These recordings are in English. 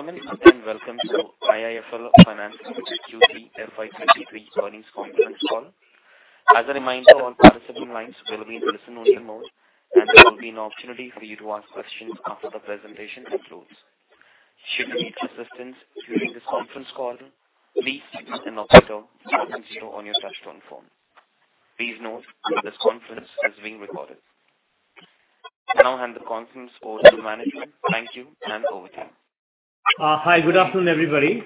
Ladies and gentlemen, and welcome to IIFL Finance Q3 FY 2023 Earnings Conference Call. As a reminder, all participant lines will be in listen only mode, and there will be an opportunity for you to ask questions after the presentation concludes. Should you need assistance during this conference call, please use the operator zero on your touchtone phone. Please note that this conference is being recorded. I now hand the conference over to management. Thank you and over to you. Hi, good afternoon, everybody.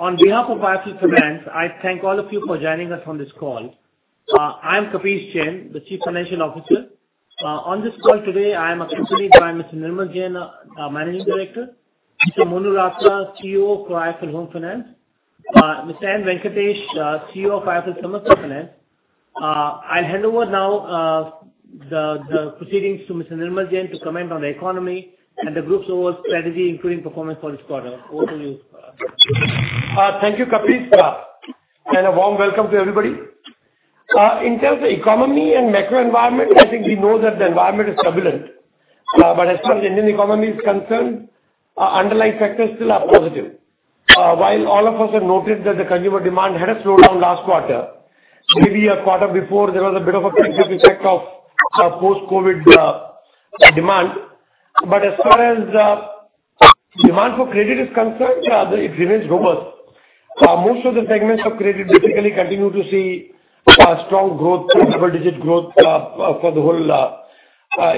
On behalf of IIFL Finance, I thank all of you for joining us on this call. I am Kapish Jain, the Chief Financial Officer. On this call today, I am accompanied by Mr. Nirmal Jain, our Managing Director, Mr. Monu Ratra, CEO of IIFL Home Finance, Mr. Narayanaswamy Venkatesh, CEO of IIFL Small Business Finance. I hand over now the proceedings to Mr. Nirmal Jain to comment on the economy and the group's overall strategy, including performance for this quarter. Over to you, sir. Thank you, Kapish. A warm welcome to everybody. In terms of economy and macro environment, I think we know that the environment is turbulent. As far as the Indian economy is concerned, our underlying factors still are positive. While all of us have noted that the consumer demand had a slowdown last quarter, maybe a quarter before, there was a bit of a corrective effect of post-COVID demand. As far as demand for credit is concerned, it remains robust. Most of the segments of credit basically continue to see strong growth, double-digit growth for the whole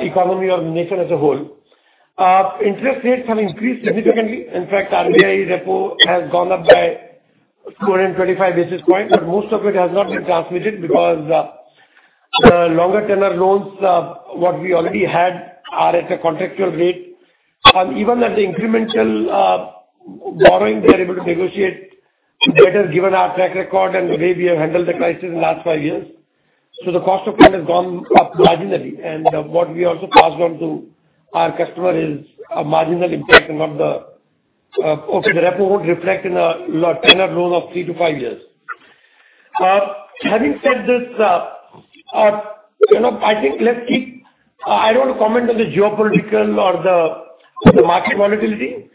economy or nation as a whole. Interest rates have increased significantly. In fact, RBI's Repo has gone up by 425 basis points, but most of it has not been transmitted because, the longer tenure loans, what we already had are at a contractual rate. Even at the incremental borrowing, we are able to negotiate better given our track record and the way we have handled the crisis in the last five years. The cost of credit has gone up marginally, and what we also passed on to our customer is a marginal impact and not the, of the Repo would reflect in a, you know, a tenure loan of 3-5 years. Having said this, you know, I think let's keep... I don't want to comment on the geopolitical or the market volatility,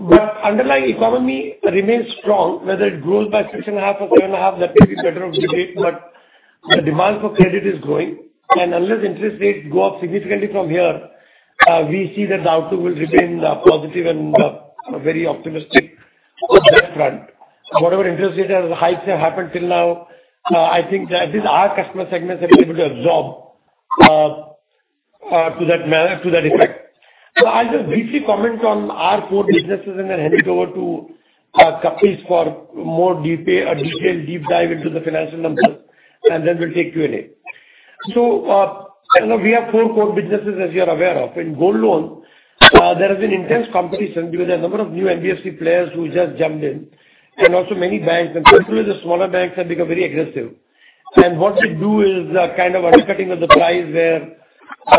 but underlying economy remains strong, whether it grows by 6.5% or 7.5%, that may be better off debate, but the demand for credit is growing. Unless interest rates go up significantly from here, we see that the outlook will remain positive and very optimistic on that front. Whatever interest rate hikes have happened till now, I think that at least our customer segments have been able to absorb to that manner, to that effect. I'll just briefly comment on our core businesses and then hand it over to Kapish for more detail, a detailed deep dive into the financial numbers, and then we'll take Q&A. You know, we have four core businesses, as you're aware of. In gold loan, there has been intense competition due to the number of new NBFC players who just jumped in and also many banks, and particularly the smaller banks have become very aggressive. What they do is a kind of undercutting of the price where,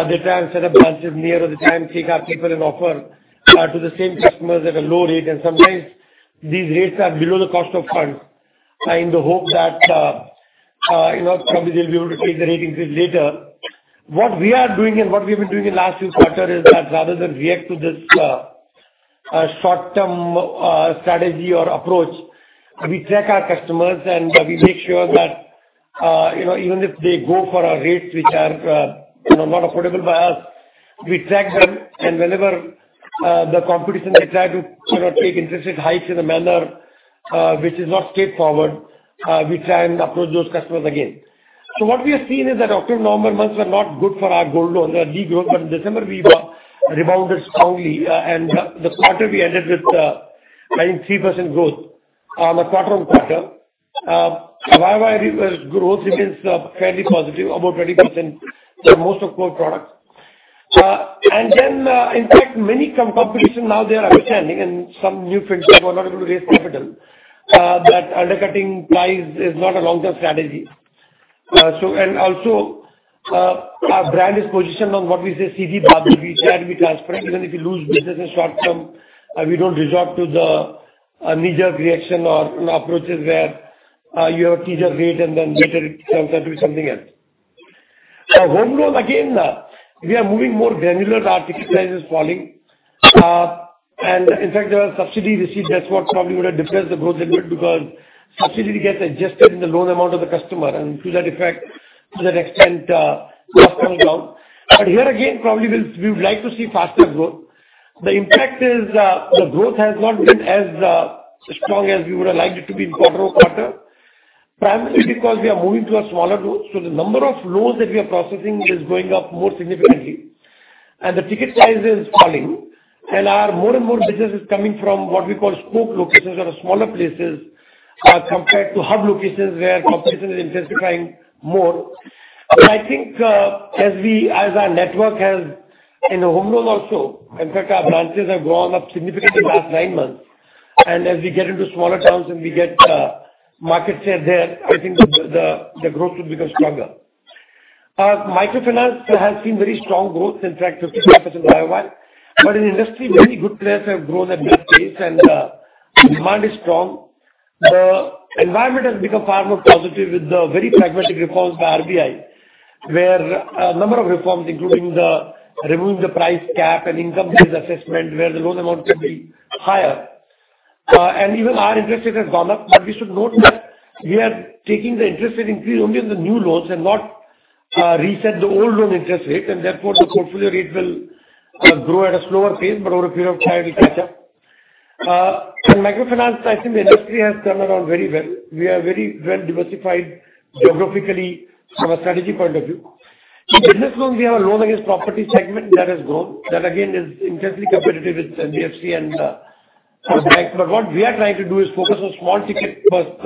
they try and set up branches near or they try and take our paper and offer, to the same customers at a lower rate. Sometimes these rates are below the cost of funds, in the hope that, you know, probably they'll be able to raise the rate increase later. What we are doing and what we've been doing in last two quarter is that rather than react to this short-term strategy or approach, we track our customers and we make sure that, you know, even if they go for our rates which are, you know, not affordable by us, we track them. Whenever the competition, they try to, you know, take interest rate hikes in a manner which is not straightforward, we try and approach those customers again. What we have seen is that October, November months were not good for our gold loan, the de-growth, but in December we were rebounded strongly. The quarter we ended with, I think 3% growth, a quarter-on-quarter. YOY growth remains fairly positive, about 20% for most of core products. Then, in fact, many competition now they are understanding and some new friendships were not able to raise capital, that undercutting price is not a long-term strategy. And also, our brand is positioned on what we say, "See the value." We share, we transparent even if we lose business in short term, we don't resort to the knee-jerk reaction or approaches where you have a teaser rate and then later it turns out to be something else. Home loan, again, we are moving more granular. Our ticket size is falling. In fact, there was subsidy received. That's what probably would have depressed the growth a little bit because subsidy gets adjusted in the loan amount of the customer and to that effect, to that extent, customer loan. Here again, probably we would like to see faster growth. The impact is, the growth has not been as strong as we would have liked it to be in quarter-over-quarter, primarily because we are moving to a smaller loan. The number of loans that we are processing is going up more significantly and the ticket size is falling and our more and more business is coming from what we call spoke locations or smaller places, compared to hub locations where competition is intensifying more. I think, as our network has in the home loan also, in fact our branches have gone up significantly in last nine months. As we get into smaller towns and we get market share there, I think the growth will become stronger. Microfinance has seen very strong growth, in fact 55% YOY. In industry, many good players have grown at good pace and demand is strong. The environment has become far more positive with the very pragmatic reforms by RBI. Where a number of reforms, including the remove the price cap and income-based assessment where the loan amount can be higher. And even our interest rate has gone up. We should note that we are taking the interest rate increase only on the new loans and not reset the old loan interest rate and therefore the portfolio rate will grow at a slower pace, but over a period of time it'll catch up. In microfinance, I think the industry has done around very well. We are very well diversified geographically from a strategy point of view. In business loans, we have a loan against property segment that has grown. Again is intensely competitive with NBFC and banks. What we are trying to do is focus on small ticket first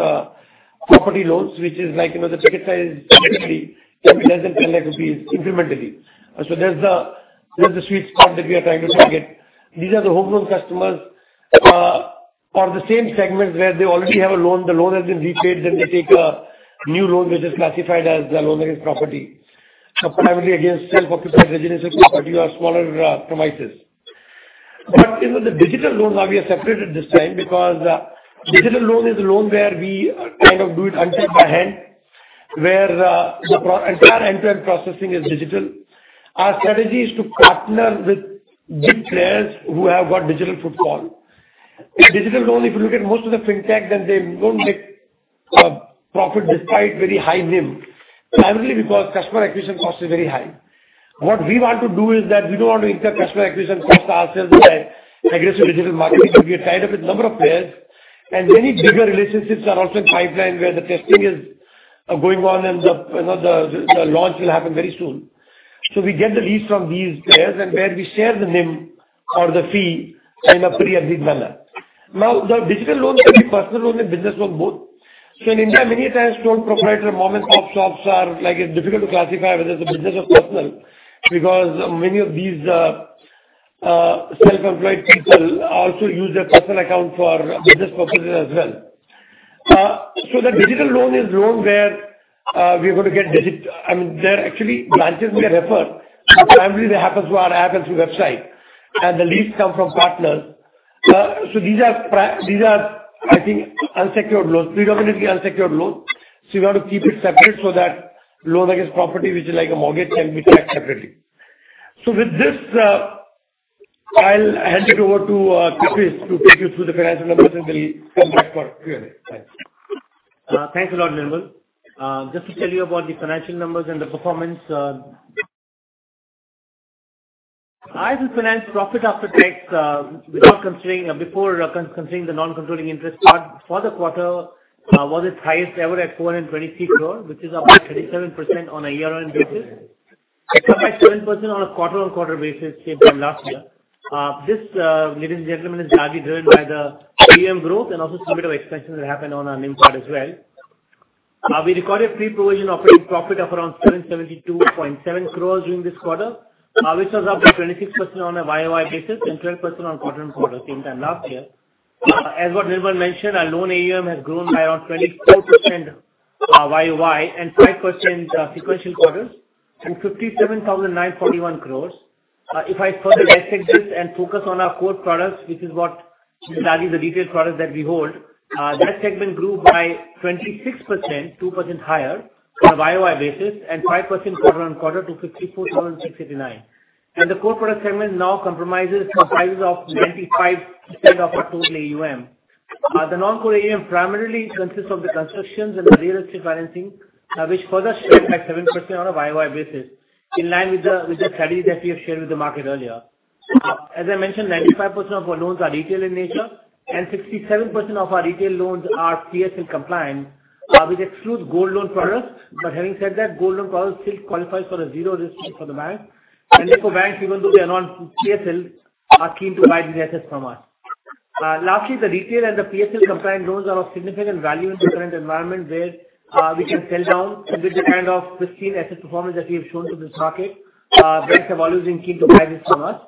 property loans, which is like, you know, the ticket size typically less than INR 10 lakh incrementally. There's the sweet spot that we are trying to target. These are the home loan customers or the same segment where they already have a loan. The loan has been repaid, they take a new loan, which is classified as a loan against property. Primarily against self-occupied residential property or smaller premises. You know, the digital loans now we have separated this time because digital loan is a loan where we kind of do it untouched by hand, where Entire end-to-end processing is digital. Our strategy is to partner with big players who have got digital footprint. In digital loan, if you look at most of the fintech, then they don't make profit despite very high NIM, primarily because customer acquisition cost is very high. What we want to do is that we don't want to incur customer acquisition costs ourselves by aggressive digital marketing. We have tied up with number of players and many bigger relationships are also in pipeline where the testing is going on and the, you know, the launch will happen very soon. We get the leads from these players and where we share the NIM or the fee in a pre-agreed manner. The digital loan can be personal loan and business loan both. In India, many a times sole proprietor, mom-and-pop shops are, like it's difficult to classify whether it's a business or personal because many of these self-employed people also use their personal account for business purposes as well. The digital loan is loan where we're going to get I mean, they're actually branches we refer. Primarily that happens through our app and through website, the leads come from partners. These are, I think, unsecured loans, predominantly unsecured loans. We want to keep it separate so that loans against property, which is like a mortgage, can be tracked separately. With this, I'll hand it over to Kapish to take you through the financial numbers, and then he'll come back for Q&A. Thanks. Thanks a lot, Nirmal. Just to tell you about the financial numbers and the performance. IIFL Finance profit after tax, without considering... Before considering the non-controlling interest part for the quarter, was its highest ever at 423 crore, which is up by 37% on a year-on-year basis and up by 12% on a quarter-on-quarter basis same time last year. This, ladies and gentlemen, is largely driven by the AUM growth and also some bit of expansion that happened on our NIM part as well. We recorded pre-provision operating profit of around 772.7 crore during this quarter, which was up by 26% on a YOY basis and 12% on quarter-on-quarter same time last year. As what Nirmal mentioned, our loan AUM has grown by around 24% YOY and 5% sequential quarters to 57,941 crores. If I further dissect this and focus on our core products, which are the retail products that we hold, that segment grew by 26%, 2% higher on a YOY basis and 5% quarter-on-quarter to 64,689. The core product segment now comprises of 95% of our total AUM. The non-core AUM primarily consists of the constructions and the real estate financing, which further shrank by 7% on a YOY basis, in line with the strategy that we have shared with the market earlier. As I mentioned, 95% of our loans are retail in nature, 67% of our retail loans are PSL compliant, which excludes Gold Loan products. Having said that, Gold Loan products still qualifies for a zero risk weight for the bank. Therefore, banks, even though they are non-PSLs, are keen to buy these assets from us. Lastly, the retail and the PSL compliant loans are of significant value in the current environment where we can sell down with the kind of pristine asset performance that we have shown to this market. Banks are always in keen to buy this from us,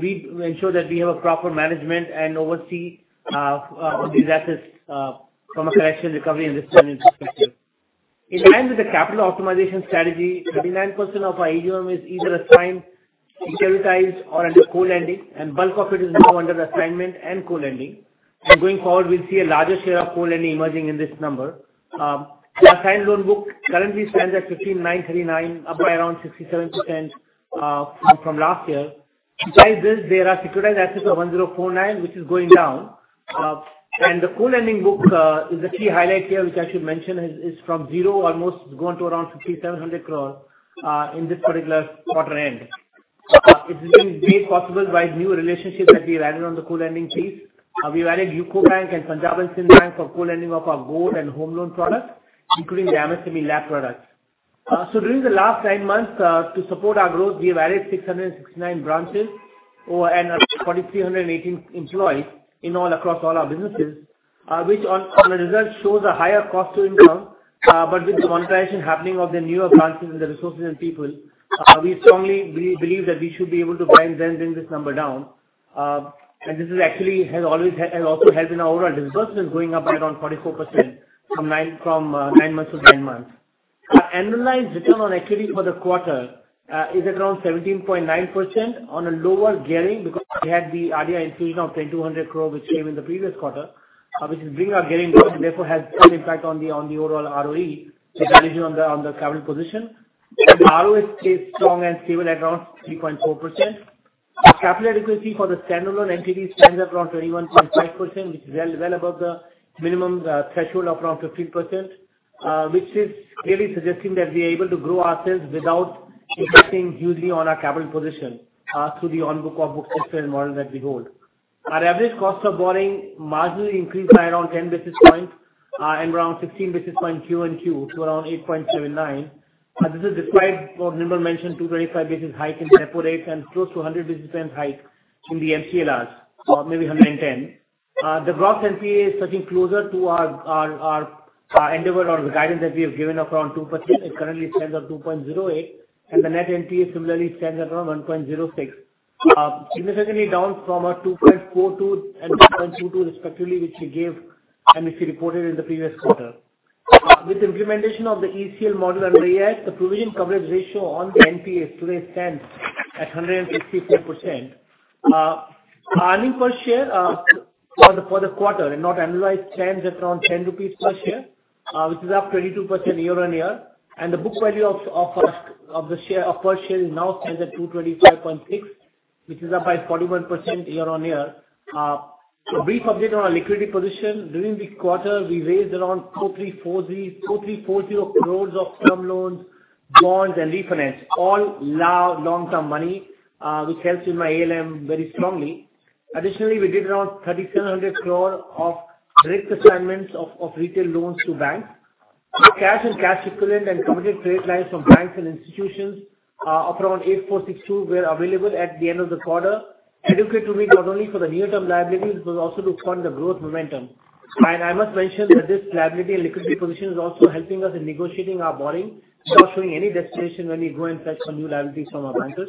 we ensure that we have a proper management and oversee these assets from a collection, recovery and risk management perspective. In line with the capital optimization strategy, 99% of our AUM is either assigned, securitized or under co-lending, bulk of it is now under assignment and co-lending. Going forward, we'll see a larger share of co-lending emerging in this number. Our signed loan book currently stands at 15,939, up by around 67% from last year. Besides this, there are securitized assets of 1,049, which is going down. The co-lending book is the key highlight here, which I should mention is from zero almost gone to around 5,700 crore in this particular quarter end. It's been made possible by new relationships that we added on the co-lending piece. We added UCO Bank and Punjab & Sind Bank for co-lending of our gold and home loan products, including the MSME LAP products. During the last nine months, to support our growth, we have added 669 branches and 4,318 employees in all across all our businesses. Which on the results shows a higher cost to income. With the monetization happening of the newer branches and the resources and people, we strongly believe that we should be able to bring this number down. This is actually has always also helped in our overall disbursement going up by around 44% from 9 months-10 months. Our annualized return on equity for the quarter is around 17.9% on a lower gearing because we had the IDIA infusion of 10,200 crore, which came in the previous quarter. Which is bringing our therefore has some impact on the, on the overall ROE, the division on the, on the capital position. ROA stays strong and stable at around 3.4%. Capital adequacy for the standalone entity stands at around 21.5%, which is well, well above the minimum threshold of around 15%, which is really suggesting that we are able to grow ourselves without impacting hugely on our capital position through the on-book, off-book system model that we hold. Our average cost of borrowing marginally increased by around 10 basis points, and around 16 basis points Q on Q to around 8.79 basis points. This is despite what Nirmal mentioned, two very 5 basis hike in Repo rates and close to 100 basis points hike in the MCLRs or maybe 110 basis points. The gross NPA is touching closer to our endeavor or the guidance that we have given of around 2%. It currently stands at 2.08%, and the net NPA similarly stands at around 1.06%. Significantly down from our 2.42% and 1.22% respectively, which we gave and which we reported in the previous quarter. With the implementation of the ECL model and the act, the provision coverage ratio on the NPAs today stands at 184%. Earning per share for the quarter and not annualized stands at around 10 rupees per share, which is up 22% year-on-year. The book value of the share per share now stands at 225.6, which is up by 41% year-on-year. Brief update on our liquidity position. During this quarter, we raised around 2,340 crore of term loans, bonds and refinance. All long-term money, which helps in my ALM very strongly. Additionally, we did around 3,700 crore of risk assignments of retail loans to banks. The cash and cash equivalent and committed trade lines from banks and institutions, of around 8,462 were available at the end of the quarter, adequate to meet not only for the near-term liabilities but also to fund the growth momentum. I must mention that this liability and liquidity position is also helping us in negotiating our borrowing, not showing any destination when we go and fetch some new liabilities from our bankers.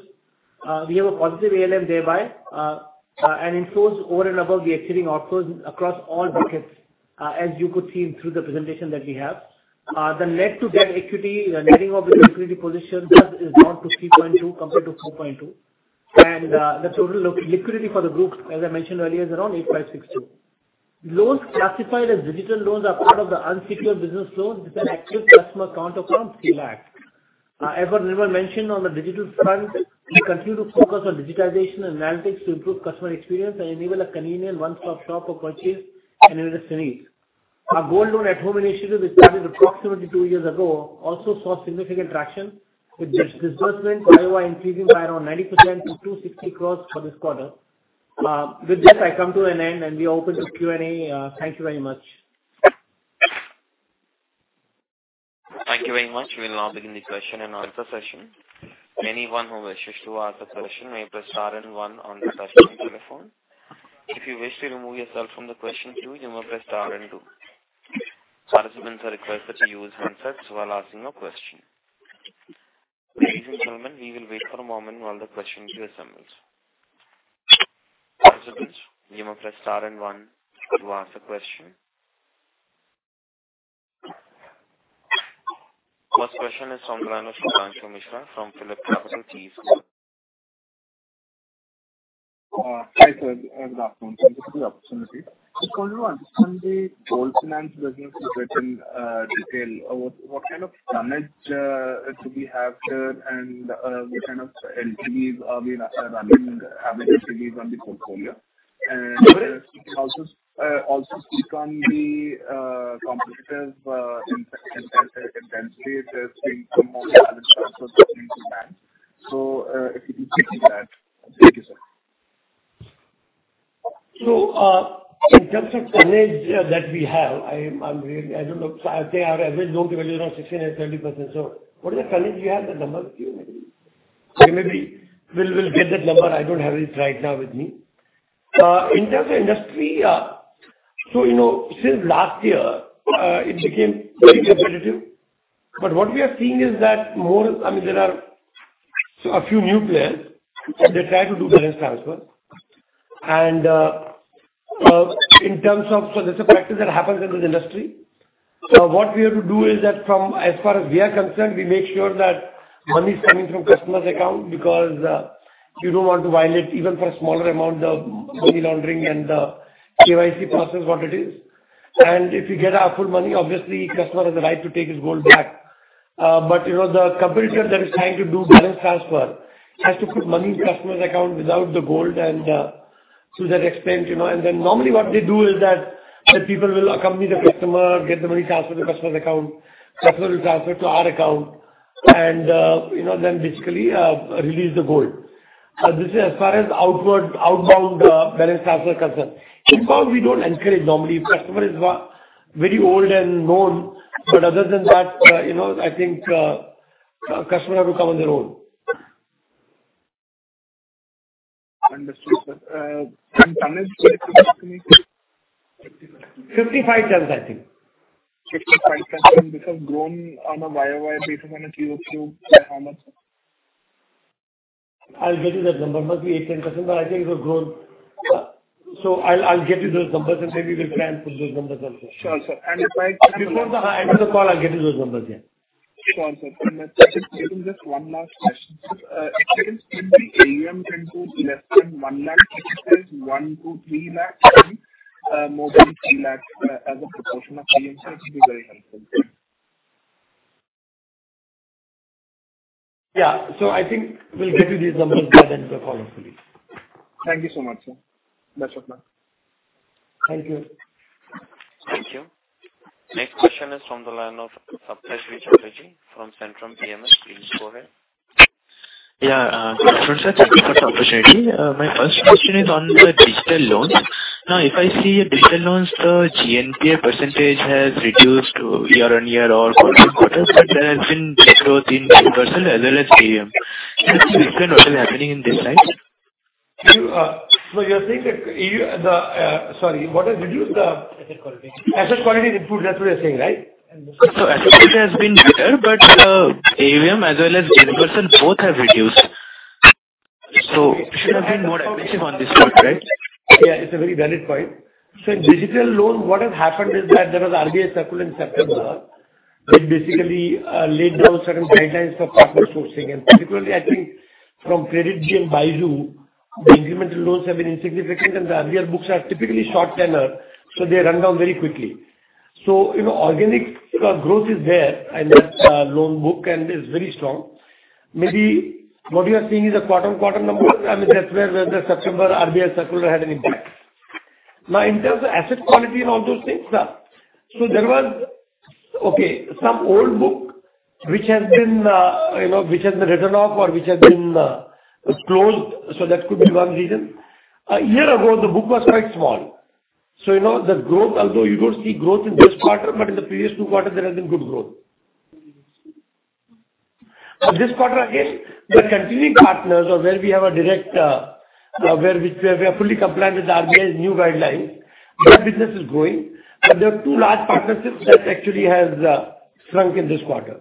We have a positive ALM thereby, and inflows over and above the exceeding outflows across all buckets, as you could see through the presentation that we have. The net to debt equity, the netting of the liquidity position thus is down to 3.2 compared to 4.2. The total liquidity for the group, as I mentioned earlier, is around 8,562. Loans classified as digital loans are part of the unsecured business loans with an active customer count of around 3 lakh. As what Nirmal mentioned on the digital front, we continue to focus on digitization and analytics to improve customer experience and enable a convenient one-stop shop for purchase and user experience. Our Gold Loan at Home initiative, established approximately two years ago, also saw significant traction with disbursement year over increasing by around 90% to 260 crore for this quarter. With this I come to an end, and we are open to Q&A. Thank you very much. Thank you very much. We will now begin the question and answer session. Anyone who wishes to ask a question may press star and one on their touchtone telephone. If you wish to remove yourself from the question queue, you may press star and two. Participants are requested to use handsets while asking a question. Ladies and gentlemen, we will wait for a moment while the questions are assembled. Participants, you may press star and one to ask a question. First question is from Manoj Kumar Mishra from PhillipCapital. Hi, sir. Good afternoon. Thank you for the opportunity. Just wanted to understand the gold finance business a bit in detail. What kind of tonnage do we have here, and what kind of LTVs are we running, averages LTVs on the portfolio? Also speak on the competitive intensities between some of the other players also stepping into bank. If you can speak to that. Thank you, sir. In terms of tonnage that we have, I'm really... I don't know. I think our average loan to value is around 60%-30%. What is the tonnage we have? That number, do you maybe? Maybe we'll get that number. I don't have it right now with me. In terms of industry, you know, since last year, it became very competitive. What we are seeing is that more... I mean, there are a few new players, and they try to do balance transfer. In terms of... That's a practice that happens in this industry. What we have to do is that from, as far as we are concerned, we make sure that money is coming from customer's account because you don't want to violate even for a smaller amount of money laundering and KYC process what it is. If you get a full money, obviously customer has a right to take his gold back. You know, the competitor that is trying to do balance transfer has to put money in customer's account without the gold and to that extent, you know. Normally what they do is that the people will accompany the customer, get the money transferred to customer's account. customer will transfer it to our account and, you know, then basically release the gold. This is as far as outward, outbound, balance transfer is concerned. Inward we don't encourage normally. If customer is very old and known, but other than that, you know, I think, customer have to come on their own. Understood, sir. Tonnage, sir, if you could just repeat. 55 tons, I think. 55 tons, and this has grown on a YOY basis on a QOQ by how much, sir? I'll get you that number. Must be 8%, 10%, but I think it will grow. I'll get you those numbers, and maybe we'll try and put those numbers also. Sure, sir. Before the end of the call, I'll get you those numbers, yeah. Sure. If I can just ask one last question. Can the AUM then go less than 1 lakh, 1 lakh-3 lakhs, and more than 3 lakhs as a proportion of AUM ,ir, it will be very helpful. Yeah. I think we'll get you these numbers by the end of the call hopefully. Thank you so much, sir. That's what ma'am. Thank you. Thank you. Next question is from the line of Saptarshee Chatterjee from Centrum PMS. Please go ahead. Yeah. good morning, sir. Thank you for the opportunity. my first question is on the digital loans. Now, if I see a digital loans, the GNPA percentage has reduced year-on-year or quarter-on-quarter, but there has been growth in loan dispersal as well as AUM. Can you explain what is happening in this side? You... So you're saying that the... Sorry, what has reduced the- Asset quality. Asset quality is improved, that's what you're saying, right? Asset quality has been better, but AUM as well as dispersal both have reduced. You should have been more aggressive on this front, right? Yeah, it's a very valid point. In digital loans, what has happened is that there was RBI circular in September, which basically laid down certain guidelines for partner sourcing. Particularly, I think from KreditBee and Buddy, the incremental loans have been insignificant and the RBR books are typically short tenor, so they run down very quickly. You know, organic growth is there in that loan book and is very strong. Maybe what you are seeing is a quarter-on-quarter number. I mean, that's where the September RBI circular had an impact. In terms of asset quality and all those things, there was, okay, some old book which has been, you know, which has been written off or which has been closed. That could be one reason. A year ago the book was quite small. You know the growth, although you don't see growth in this quarter, but in the previous two quarters there has been good growth. This quarter again, the continuing partners or where we have a direct, where we are fully compliant with RBI's new guidelines, that business is growing. There are two large partnerships that actually has shrunk in this quarter.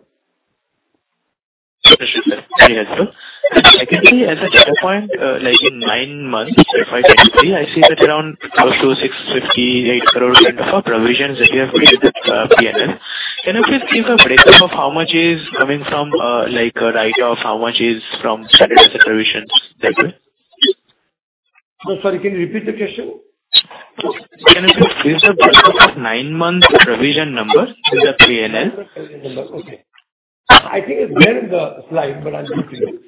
Understood, sir. Very helpful. I can see as a data point, like in nine months, if I can see, I see that around 1,658 crore kind of a provisions that you have created with P&L. Can you please give a breakdown of how much is coming from, like a write-off, how much is from standard provisions there too? No. Sorry, can you repeat the question? Can you please give the breakdown of nine-month provision number to the PNL? Provision number. Okay. I think it's there in the slide, but I'll get you. Well,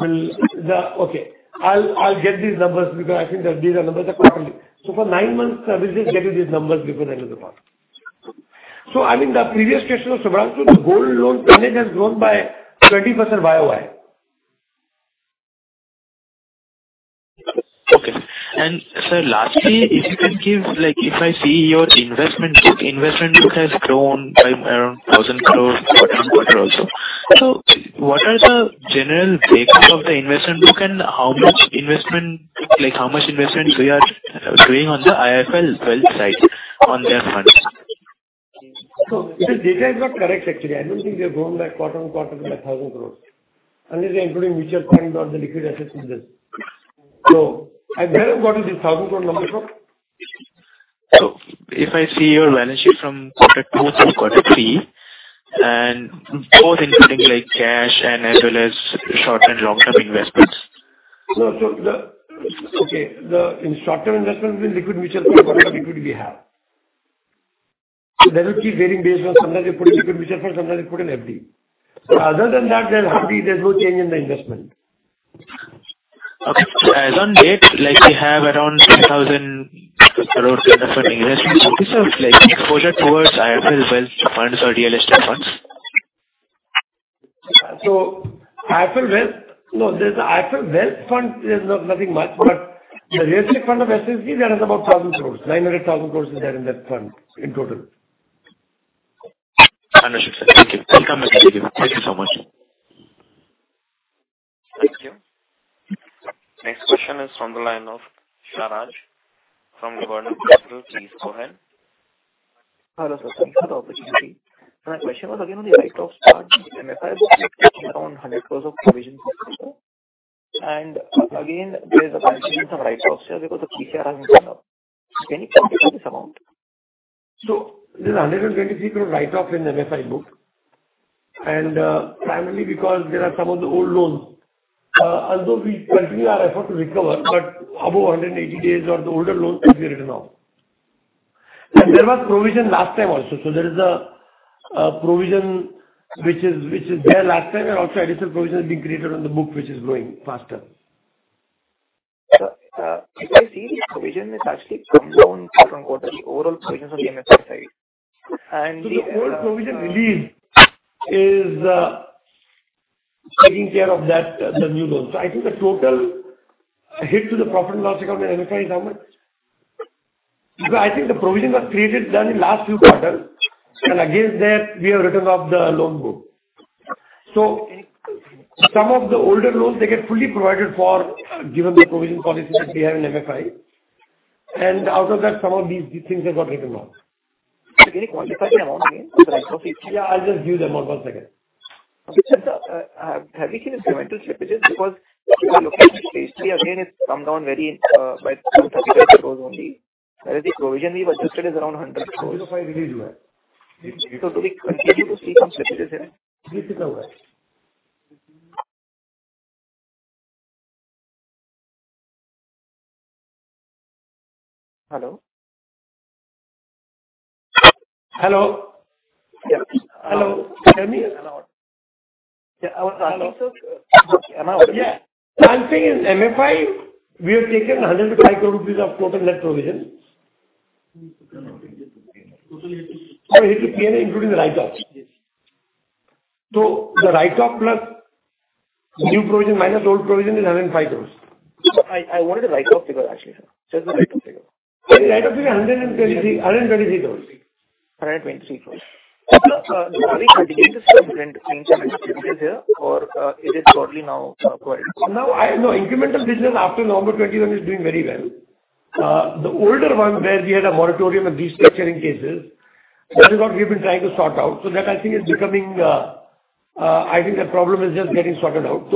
Okay. I'll get these numbers because I think that these are numbers are quarterly. For nine months, we'll just get you these numbers before the end of the call. I mean, the previous question was about, the gold loan manage has grown by 20% YOY. Okay. Sir, lastly, if you can give, like if I see your investment book, investment book has grown by around 1,000 crore quarter-on-quarter also. What are the general breakup of the investment book and how much investment, like how much investment we are doing on the 360 ONE side on their funds? This data is not correct actually. I don't think we have grown by quarter-on-quarter by 1,000 crore. Unless they're including mutual funds or the liquid assets in this. Where have you gotten this INR 1,000 crore number from? If I see your balance sheet from quarter 2 to quarter 3, and both including like cash and as well as short and long-term investments. No. Okay. The short-term investment means liquid mutual fund, whatever liquid we have. That will keep varying based on sometimes we put in liquid mutual fund, sometimes we put in FD. Other than that, we are happy. There's no change in the investment. Okay. As on date, like we have around 2,000 crores kind of an investment. What is our, like, exposure towards 360 ONE funds or real estate funds? IIFL Wealth... No, the IIFL Wealth Fund is nothing much, but the real estate fund of SSG, there is about 1,000 crores. 900,000 crores is there in that fund in total. Understood, sir. Thank you. Thank you so much. Thank you. Next question is from the line of Sharaj from [Laburnum Security]. Please go ahead. Hello, sir. Thank you for the opportunity. My question was again on the write-offs part. MFI has around 100 crores of provisions this quarter. Again, there is a continuation of write-offs here because the PCR has gone up. Can you quantify this amount? There's 123 crore write-off in the MFI book. Primarily because there are some of the old loans. Although we continue our effort to recover, but above 180 days or the older loans have been written off. There was provision last time also. There is a provision which is there last time and also additional provision has been created on the book, which is growing faster. Sir, if I see the provision, it has actually come down quarter-on-quarter, the overall provisions of the MFI. The old provision relief is taking care of that, the new loans. I think the total hit to the profit and loss account in MFI is how much? I think the provision was created then in last few quarters, and against that we have written off the loan book. Some of the older loans, they get fully provided for, given the provision policy that we have in MFI. Out of that, some of these things have got written off. Can you quantify the amount again of the write-off? Yeah, I'll just give the amount. One second. Which is the, have you seen incremental shipages because again, it's come down very, by 235 crores only, whereas the provision we've adjusted is around 100 crores? INR 105 crore release. Do we continue to see some slippages here? This is how it is. Hello? Hello. Yeah. Hello. Can you hear me? Yeah. I want to answer. Hello, sir. Okay. Yeah. I'm saying in MFI we have taken 105 crore rupees of total net provision. I hit the P&L including the write-offs. Yes. The write-off plus new provision minus old provision is 105 crores. I wanted a write-off figure actually, sir. Just the write-off figure. The write-off figure is 123 crores. 123 crores. Sir, do you see any slippage in terms of slippages here or, it is broadly now, growing? No, incremental business after November 21 is doing very well. The older one where we had a moratorium and restructuring cases, that is what we've been trying to sort out. That I think is becoming I think the problem is just getting sorted out.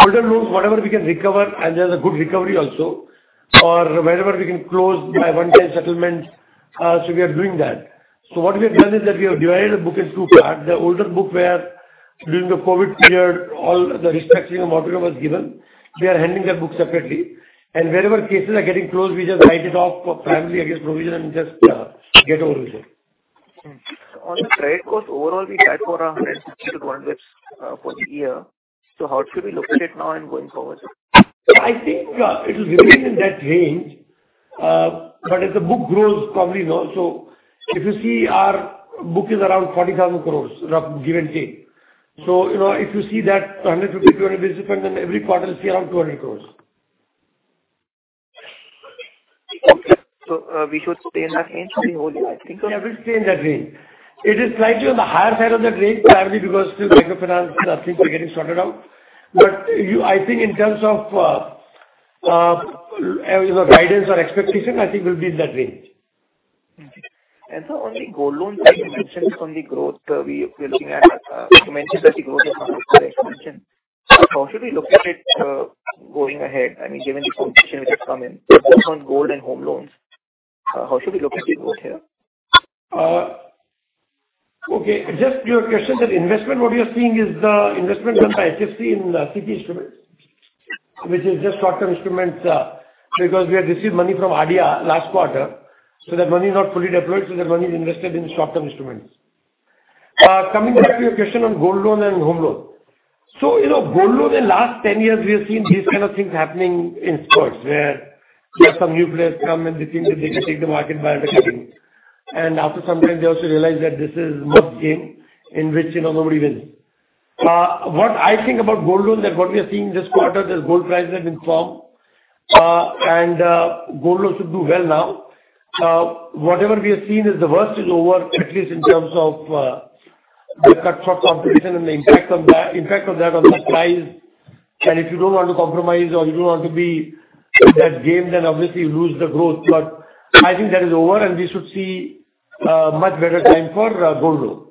Older loans, whatever we can recover, and there's a good recovery also or wherever we can close by one-time settlement, so we are doing that. What we have done is that we have divided the book in two parts. The older book where during the COVID period all the restructuring of moratorium was given, we are handling that book separately and wherever cases are getting closed, we just write it off primarily against provision and just get over with it. On the credit cost, overall we track for 100-200 with, for the year. How should we look at it now and going forward, sir? I think, yeah, it will remain in that range. If the book grows probably more. If you see our book is around 40,000 crores, rough give and take. You know, if you see that 150 crore, 20 billion crores, then every quarter you see around 200 crores. We should stay in that range for the whole year, I think. Yeah, we'll stay in that range. It is slightly on the higher side of that range, primarily because still microfinance, things are getting sorted out. I think in terms of, you know, guidance or expectation, I think we'll be in that range. Okay. On the gold loans that you mentioned on the growth, we're looking at, you mentioned that the growth is coming from the expansion. How should we look at it going ahead? I mean given the competition which has come in, just on gold and home loans, how should we look at the growth here? Okay. Just your question that investment, what we are seeing is the investment done by HFC in CP instruments, which is just short-term instruments, because we have received money from ADR last quarter, so that money is not fully deployed, so that money is invested in short-term instruments. Coming back to your question on gold loan and home loan. You know, gold loan in last 10 years we have seen these kind of things happening in spurts where some new players come and they think that they can take the market by attacking. After some time they also realize that this is mud game in which, you know, nobody wins. What I think about gold loan that what we are seeing this quarter is gold prices have been firm, and gold loans should do well now. Whatever we have seen is the worst is over, at least in terms of the cutthroat competition and the impact of that on such price. If you don't want to compromise or you don't want to be that game, then obviously you lose the growth. I think that is over and we should see a much better time for gold loan.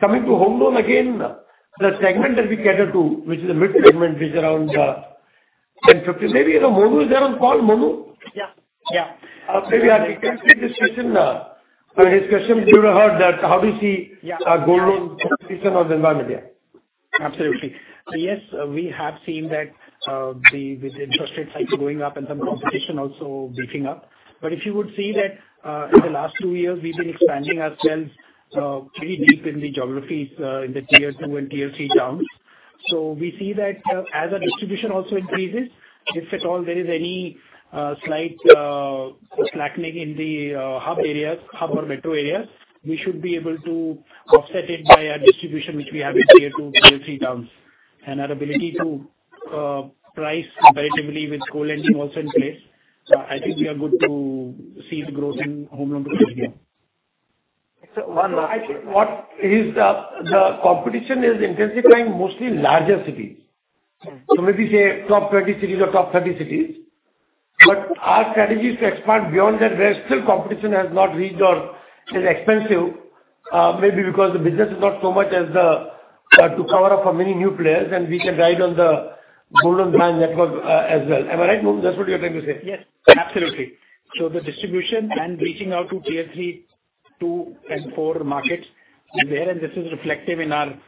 Coming to home loan again, the segment that we cater to, which is a mid segment, which is aroud 10 lakh, 50 lakh. Maybe, you know, Monu is there on call. Monu? Yeah. Yeah. maybe I can take this question, his question you would have heard that how do you see. Yeah. Our gold loan competition or the environment? Yeah. Absolutely. Yes, we have seen that, with interest rates going up and some competition also beefing up. If you would see that, in the last two years, we've been expanding ourselves pretty deep in the geographies, in the tier 2 and tier 3 towns. We see that, as our distribution also increases, if at all there is any slight slackening in the hub areas, hub or metro areas, we should be able to offset it by our distribution, which we have in tier 2, tier 3 towns. Our ability to price competitively with co-lending also in place, I think we are good to see the growth in home loan book this year. one last- I think what is the competition is intensifying mostly larger cities. Okay. Maybe say top 20 cities or top 30 cities. Our strategy is to expand beyond that, where still competition has not reached or is expensive, maybe because the business is not so much as the to cover up for many new players and we can ride on the golden brand network as well. Am I right, Monu? That's what you're trying to say. Yes, absolutely. The distribution and reaching out to tier three, two and four markets is there. This is reflective in our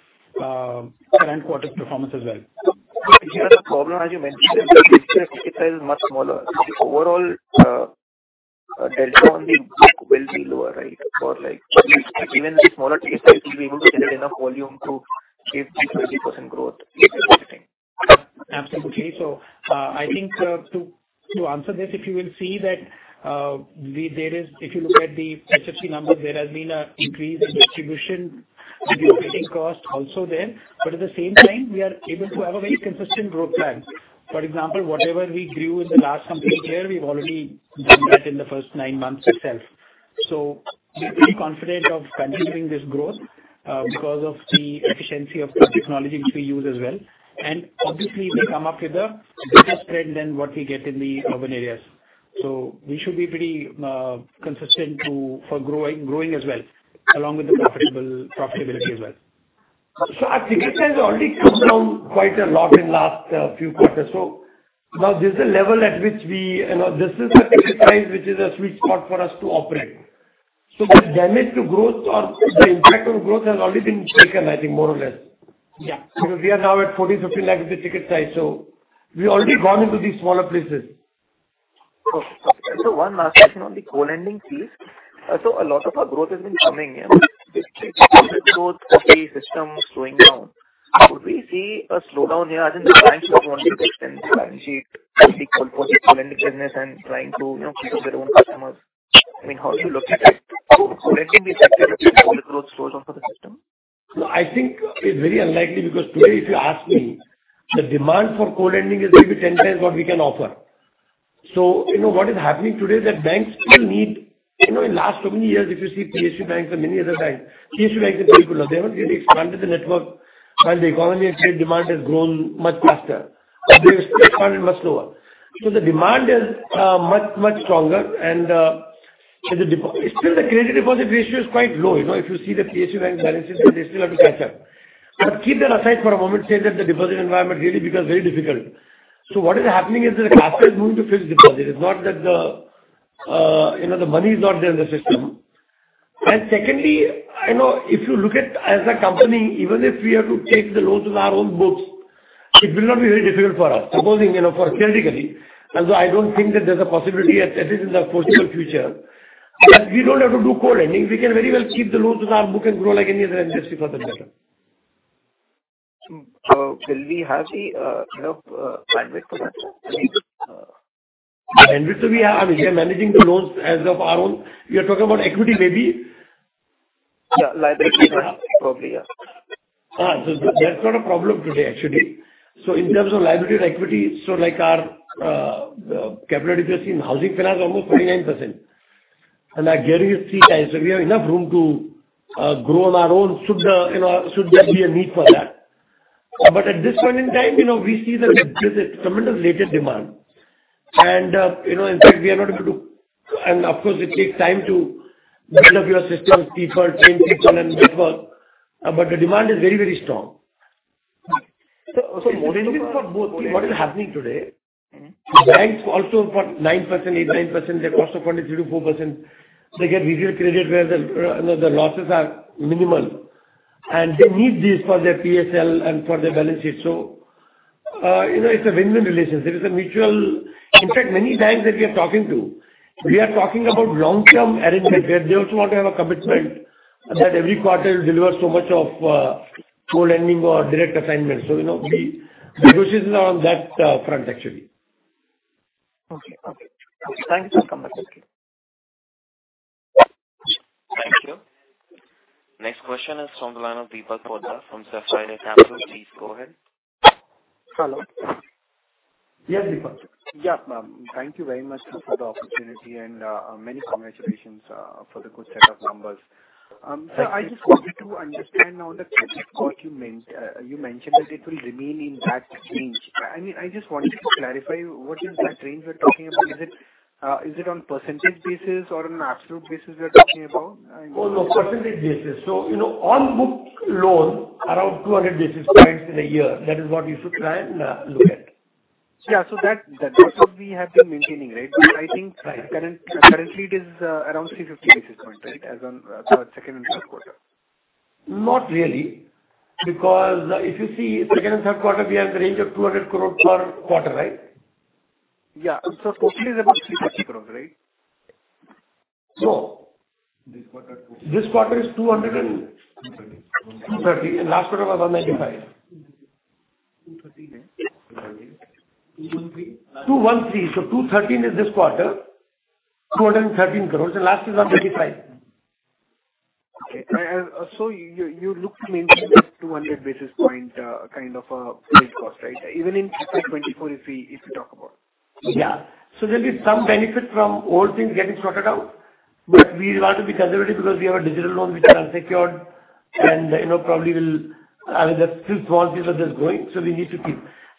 current quarter's performance as well. Here the problem as you mentioned is the ticket size is much smaller. The overall, delta on the book will be lower, right? For like even the smaller ticket size will be able to generate enough volume to give the 20% growth. What do you think? Absolutely. I think to answer this, if you will see that, if you look at the HFC numbers, there has been a increase in distribution cost also there. At the same time we are able to have a very consistent growth plan. For example, whatever we grew in the last complete year, we've already done that in the first nine months itself. We're pretty confident of continuing this growth because of the efficiency of such technology which we use as well. Obviously they come up with a better spread than what we get in the urban areas. We should be pretty consistent for growing as well, along with the profitability as well. Our ticket size already come down quite a lot in last few quarters. Now this is a level at which You know, this is the ticket size which is a sweet spot for us to operate. Okay. The damage to growth or the impact on growth has already been taken, I think more or less. Yeah. We are now at 40 lakhs-50 lakhs as a ticket size. We already gone into these smaller places. Okay. One last question on the co-lending piece. A lot of our growth has been coming here. With the growth of the system slowing down, would we see a slowdown here as in the banks not wanting to extend the balance sheet for the co-lending business and trying to, you know, keep up their own customers? I mean, how would you look at that? Co-lending we accept it if the overall growth slows down for the system. No, I think it's very unlikely because today if you ask me, the demand for co-lending is maybe 10 times what we can offer. you know what is happening today is that banks still need... You know, in last so many years, if you see PSU banks and many other banks, PSU banks in particular, they haven't really expanded the network while the economy and credit demand has grown much faster. They've expanded much slower. the demand is much, much stronger and the credit deposit ratio is quite low. You know, if you see the PSU bank balances and they still have to catch up. keep that aside for a moment, say that the deposit environment really becomes very difficult. what is happening is that capital is moving to fixed deposit. It's not that the, you know, the money is not there in the system. And secondly, I know if you look at as a company, even if we have to take the loans on our own books, it will not be very difficult for us. Supposing, you know, for theoretically, although I don't think that there's a possibility at least in the foreseeable future, that we don't have to do co-lending. We can very well keep the loans on our book and grow like any other NBFC for that matter. Will we have the, you know, bandwidth for that? I mean. Bandwidth we have. I mean, we are managing the loans as of our own. You're talking about equity maybe. Yeah, liability side probably, yeah. That's not a problem today, actually. In terms of liability and equity, like our capital efficiency in housing finance is almost 29% and our gearing is 3x. We have enough room to grow on our own should, you know, should there be a need for that. At this point in time, you know, we see that there's a tremendous latent demand and, you know, in fact, we are not able to. Of course it takes time to build up your systems, people, trained people and network, but the demand is very, very strong. More than for both, what is happening today. Mm-hmm. banks also for 9%, 8%, 9%, their cost of funding 3%-4%. They get retail credit where the, you know, the losses are minimal, and they need this for their PSL and for their balance sheet. You know, it's a win-win relationship. It's a mutual... In fact many banks that we are talking to, we are talking about long-term arrangement where they also want to have a commitment that every quarter you deliver so much of co-lending or direct assignments. You know, we, the negotiations are on that front, actually. Okay. Okay. Thanks for comments. Okay. Thank you. Next question is from the line of Deepak Poddar from Sapphire Capital. Please go ahead. Hello. Yes, Deepak. Yeah. Thank you very much for the opportunity and many congratulations for the good set of numbers. Sir, I just wanted to understand now the credit cost you meant. You mentioned that it will remain in that range. I mean, I just wanted to clarify, what is that range we're talking about? Is it on percentage basis or on absolute basis we are talking about? Oh, no, percentage basis. You know, on book loan around 200 basis points in a year. That is what we should try and look at. Yeah. That, that's what we have been maintaining, right? Right. I think currently it is around 350 basis points, right? As on Second and Third Quarter. Not really. Because if you see second and third quarter, we have the range of 200 crore per quarter, right? Yeah. fourth quarter is about 350 crores, right? No. This quarter. This quarter is. 230 crores. 230 crores and last quarter was 195 crores. 213 crores. 213 crores. INR 213 crores is this quarter. 213 crores and last is 195 crores. Okay. You look to maintain this 200 basis point, kind of a credit cost, right? Even in fiscal 2024, if we talk about. Yeah. There'll be some benefit from old things getting sorted out. We want to be conservative because we have a digital loan which are unsecured and, you know, probably I mean, there are still small pieces that's growing, so we need to keep.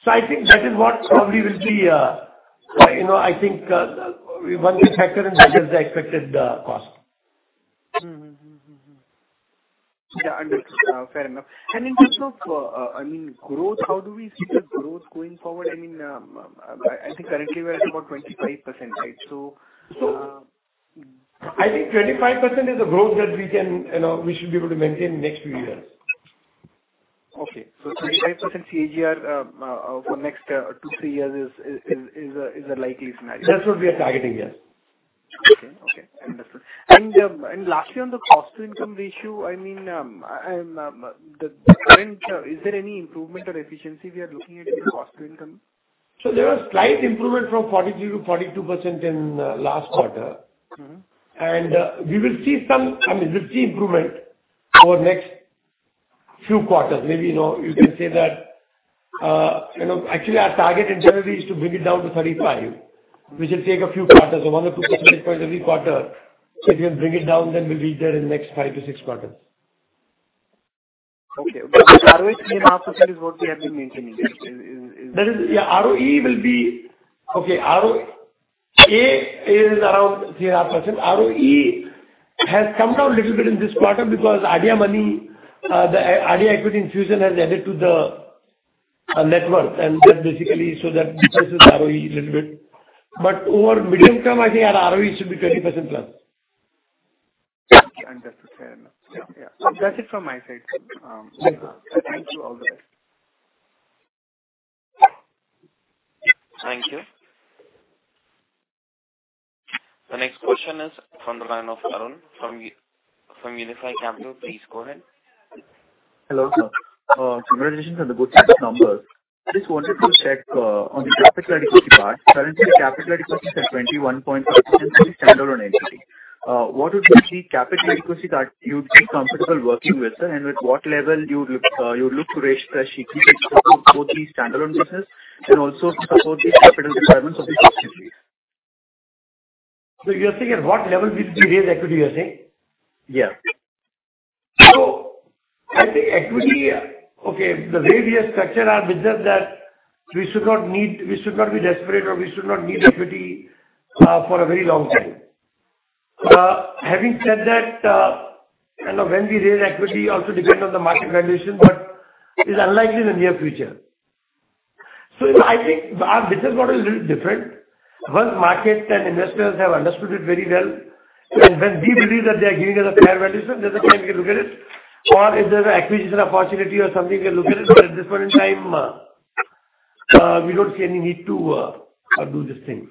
I think that is what probably will be, you know, I think, one way factor and that is the expected cost. Mm-hmm. Mm-hmm. Mm-hmm. Yeah. Understood. fair enough. In terms of, I mean, growth, how do we see the growth going forward? I mean, I think currently we're at about 25%, right? I think 25% is the growth that we can, you know, we should be able to maintain next few years. Okay. 25% CAGR for next 2-3 years is a likely scenario. That's what we are targeting. Yes. Okay. Okay. Understood. Lastly, on the cost to income ratio, I mean, the current, is there any improvement or efficiency we are looking at in cost to income? There was slight improvement from 43%-42% in last quarter. Mm-hmm. We will see some, I mean, we'll see improvement over next few quarters. Maybe, you know, you can say that, you know, actually our target in general is to bring it down to 35, which will take a few quarters or one or two percentage points every quarter. If we can bring it down, then we'll be there in next 5-6 quarters. Okay. ROE 3.5% is what we have been maintaining. That is, yeah, ROE will be. Okay. ROA is around 3.5%. ROE has come down a little bit in this quarter because ADIA Money, the ADIA equity infusion has added to the net worth. So that defices ROE a little bit. Over medium term, I think our ROE should be 20+%. Understood. Fair enough. Yeah. That's it from my side, sir. Thank you. I'll do that. Thank you. The next question is from the line of Arun from Unifi Capital. Please go ahead. Hello, sir. Congratulations on the good set of numbers. I just wanted to check on the capital adequacy part. Currently, the capital adequacy is at 21.5% standalone entity. What would be the capital adequacy that you'd be comfortable working with, sir? With what level you would, you look to raise fresh equity to support both the standalone business and also to support the capital requirements of the subsidiary? You're saying at what level we raise equity, you're saying? Yeah. I think equity, okay, the way we have structured our business that we should not need, we should not be desperate or we should not need equity for a very long time. Having said that, you know, when we raise equity also depend on the market valuation, but it's unlikely in the near future. I think our business model is little different. One, market and investors have understood it very well. When we believe that they are giving us a fair valuation, that's the time we can look at it. If there's an acquisition opportunity or something, we can look at it. At this point in time, we don't see any need to do these things.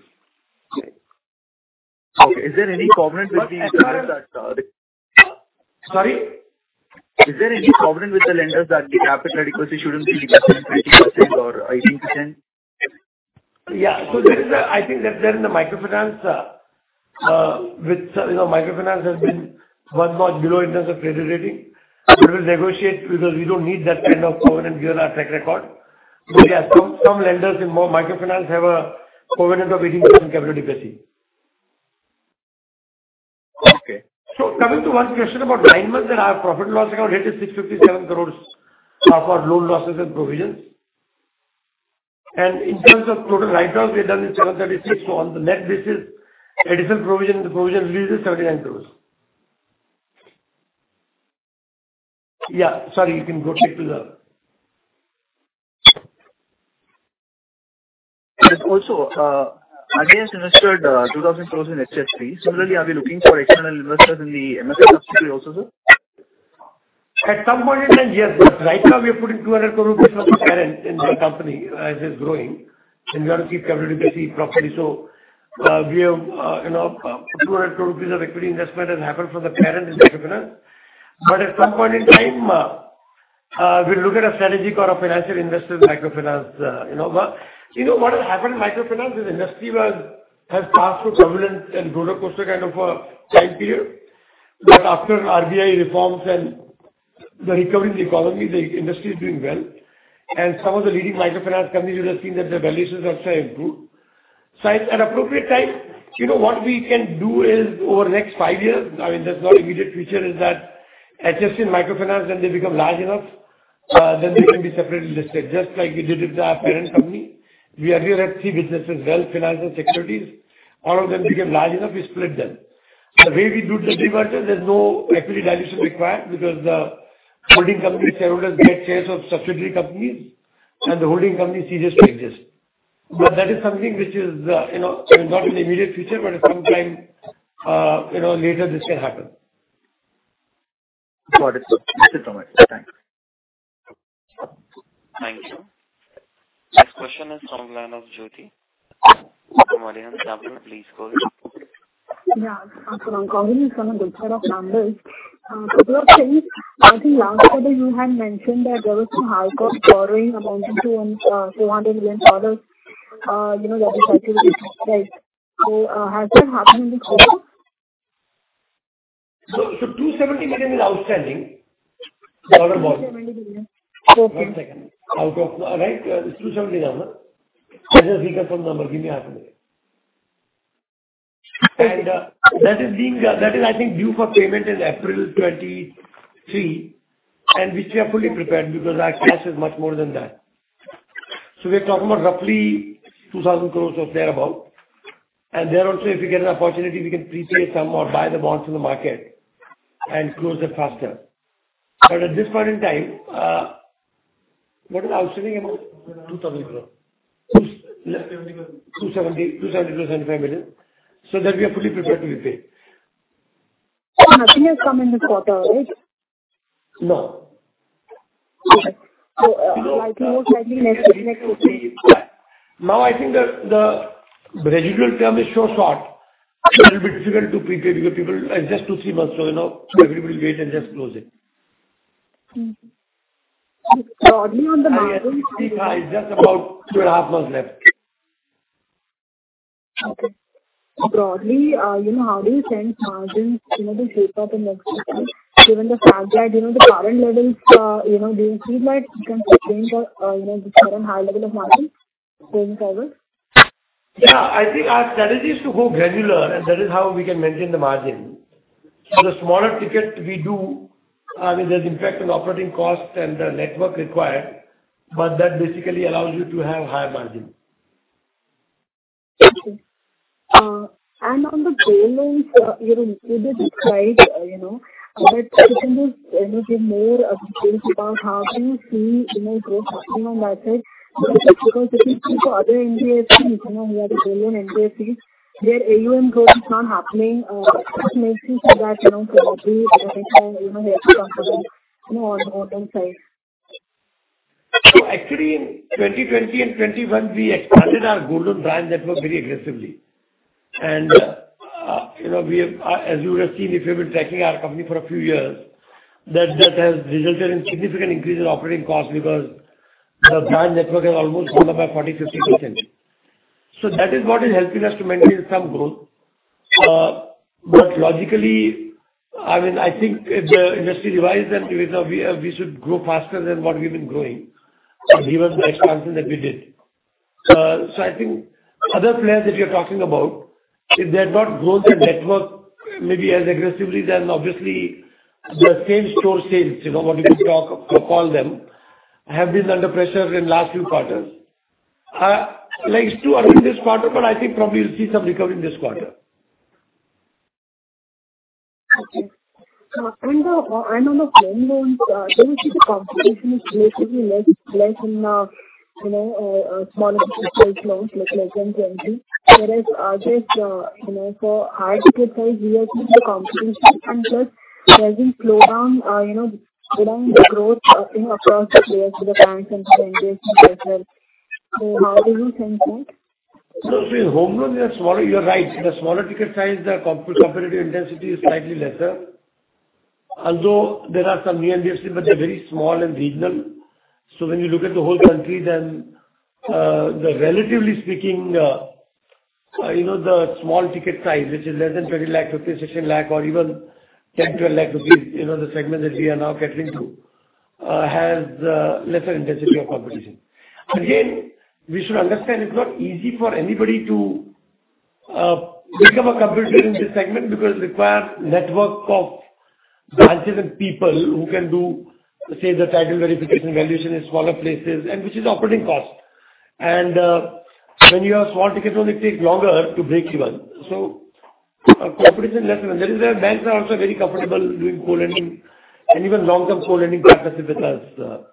Okay. Is there any covenant with the lenders that? Sorry? Is there any covenant with the lenders that the capital adequacy shouldn't be less than 20% or 18%? Yeah. I think that they're in the microfinance, with, you know, microfinance has been one notch below in terms of credit rating. We will negotiate because we don't need that kind of covenant given our track record. Yeah, some lenders in more microfinance have a covenant of 18% capital adequacy. Okay. Coming to one question about nine months and our profit and loss account hit is 657 crores for loan losses and provisions. In terms of total write-downs, we have done is 736 crores. On the net basis, additional provision, the provision release is 39 crores. Also, ADIA has invested INR 2,000 crores in HSF. Similarly, are we looking for external investors in the MFI subsidiary also, sir? At some point in time, yes. Right now we are putting 200 crore rupees from the parent in that company as it's growing, and we want to keep capital adequacy properly. We have, you know, 200 crore rupees of equity investment has happened from the parent in microfinance. At some point in time, we'll look at a strategic or a financial investor in microfinance, you know. You know what has happened in microfinance is industry has passed through turbulent and rollercoaster kind of a time period. After RBI reforms and the recovery in the economy, the industry is doing well. Some of the leading microfinance companies, you have seen that their valuations have started to improve. At appropriate time, you know, what we can do is, over next five years, I mean, that's not immediate future, is that HSF and microfinance, when they become large enough, then they can be separately listed. Just like we did with our parent company. We had three businesses, wealth, finance, and securities. All of them became large enough, we split them. The way we do demerger, there's no equity dilution required because the holding company shareholders get shares of subsidiary companies and the holding company ceases to exist. That is something which is, you know, not in the immediate future, but at some time, you know, later this can happen. Got it, sir. That's it from my side. Thanks. Thank you. Next question is from the line of Jyoti from Adani Capital. Please go ahead. Yeah. Congratulations on a good set of numbers. Couple of things. I think last quarter you had mentioned that there was some high court borrowing amounting to, $200 million, you know, that was actually raised. Has that happened in this quarter? $270 million is outstanding. The order volume. $270 million. Okay. One second. Out of... Right. It's $270 million number. Let us reconfirm the number. Give me half a minute. Okay. That is I think due for payment in April 2023. Which we are fully prepared because our cash is much more than that. We're talking about roughly 2,000 crores or thereabout. There also, if we get an opportunity, we can prepay some or buy the bonds in the market and close it faster. At this point in time, what is the outstanding amount? INR 2,000 crore. Two s- $270 million. $270, $200 million plus $75 million. That we are fully prepared to repay. Nothing has come in this quarter, right? No. Okay. I think most likely next quarter. Now I think the residual term is so short, so it will be difficult to prepay because people... just two, three months. You know, so everybody will wait and just close it. Broadly on the margin. It's just about 2.5 months left. Okay. Broadly, you know, how do you sense margins, you know, will shape up in next fiscal given the fact that, you know, the current levels, you know, do you feel like you can sustain the, you know, this current high level of margin going forward? Yeah, I think our strategy is to go granular and that is how we can maintain the margin. The smaller ticket we do, I mean, there's impact on operating costs and the network required, but that basically allows you to have higher margin. Okay. On the gold loans, you know, you did describe, you know, but could you just, you know, give more updates about how do you see, you know, growth happening on that side? Because if you see for other NBFCs, you know, we have the billion NBFCs, their AUM growth is not happening. What makes you say that, you know, probably, you know, you know, here to come to them, you know, on that side. Actually in 2020 and 2021 we expanded our gold loan brand network very aggressively. You know, as you would have seen if you've been tracking our company for a few years, that has resulted in significant increase in operating costs because the brand network has almost gone up by 40%, 50%. That is what is helping us to maintain some growth. Logically, I mean, I think if the industry-wise then, you know, we should grow faster than what we've been growing, given the expansion that we did. I think other players that you're talking about, if they've not grown their network maybe as aggressively then obviously their same-store sales, you know, what you can talk or call them, have been under pressure in last few quarters. Like it's true up in this quarter. I think probably you'll see some recovery in this quarter. Okay. And the, and on the home loans, do you see the competition is relatively less in, you know, smaller ticket size loans like less than 20 lakh? Whereas, just, you know, for higher ticket size we have seen the competition and just there has been slowdown in the growth, I think across the players with the banks and some NBFCs as well. How do you think so? No. In home loans they are smaller. You're right. In a smaller ticket size the competitive intensity is slightly lesser. Although there are some new NBFCs, but they're very small and regional. When you look at the whole country then, relatively speaking, you know, the small ticket size, which is less than 20 lakh rupees, 50 lakh, 60 lakh or even 10 lakh, 12 lakh rupees, you know, the segment that we are now catering to, has lesser intensity of competition. Again, we should understand it's not easy for anybody to become a competitor in this segment because it requires network of branches and people who can do, say, the title verification and valuation in smaller places and which is operating cost. When you have small tickets only, it takes longer to break even. Our competition is lesser and that is where banks are also very comfortable doing co-lending and even long-term co-lending partnerships with us. Okay.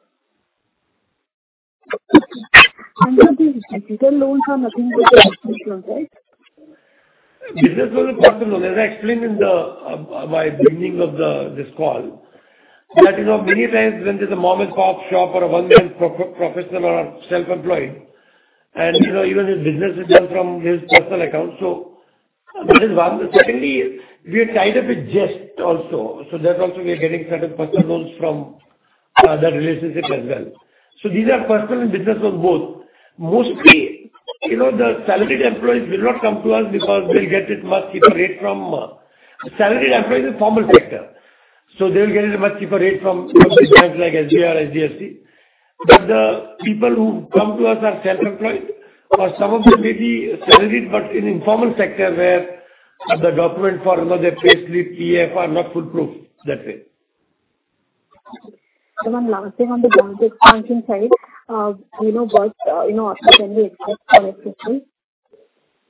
What these business loans are nothing but the personal loans, right? Business or the personal loan. As I explained in the beginning of this call that, you know, many times when there's a mom-and-pop shop or a one-man professional or self-employed and, you know, even his business is done from his personal account, that is one. Secondly, we are tied up with ZestMoney also, so that also we are getting certain personal loans from that relationship as well. These are personal and business loans both. Mostly, you know, the salaried employees will not come to us because they'll get it much cheaper rate from. Salaried employee is a formal sector. They'll get it a much cheaper rate from public banks like SBI or HDFC. The people who come to us are self-employed or some of them may be salaried but in informal sector where the document for, you know, their payslip, PF are not foolproof that way. Okay. Lastly on the branch expansion side, you know, what, you know, what can we expect from it this year?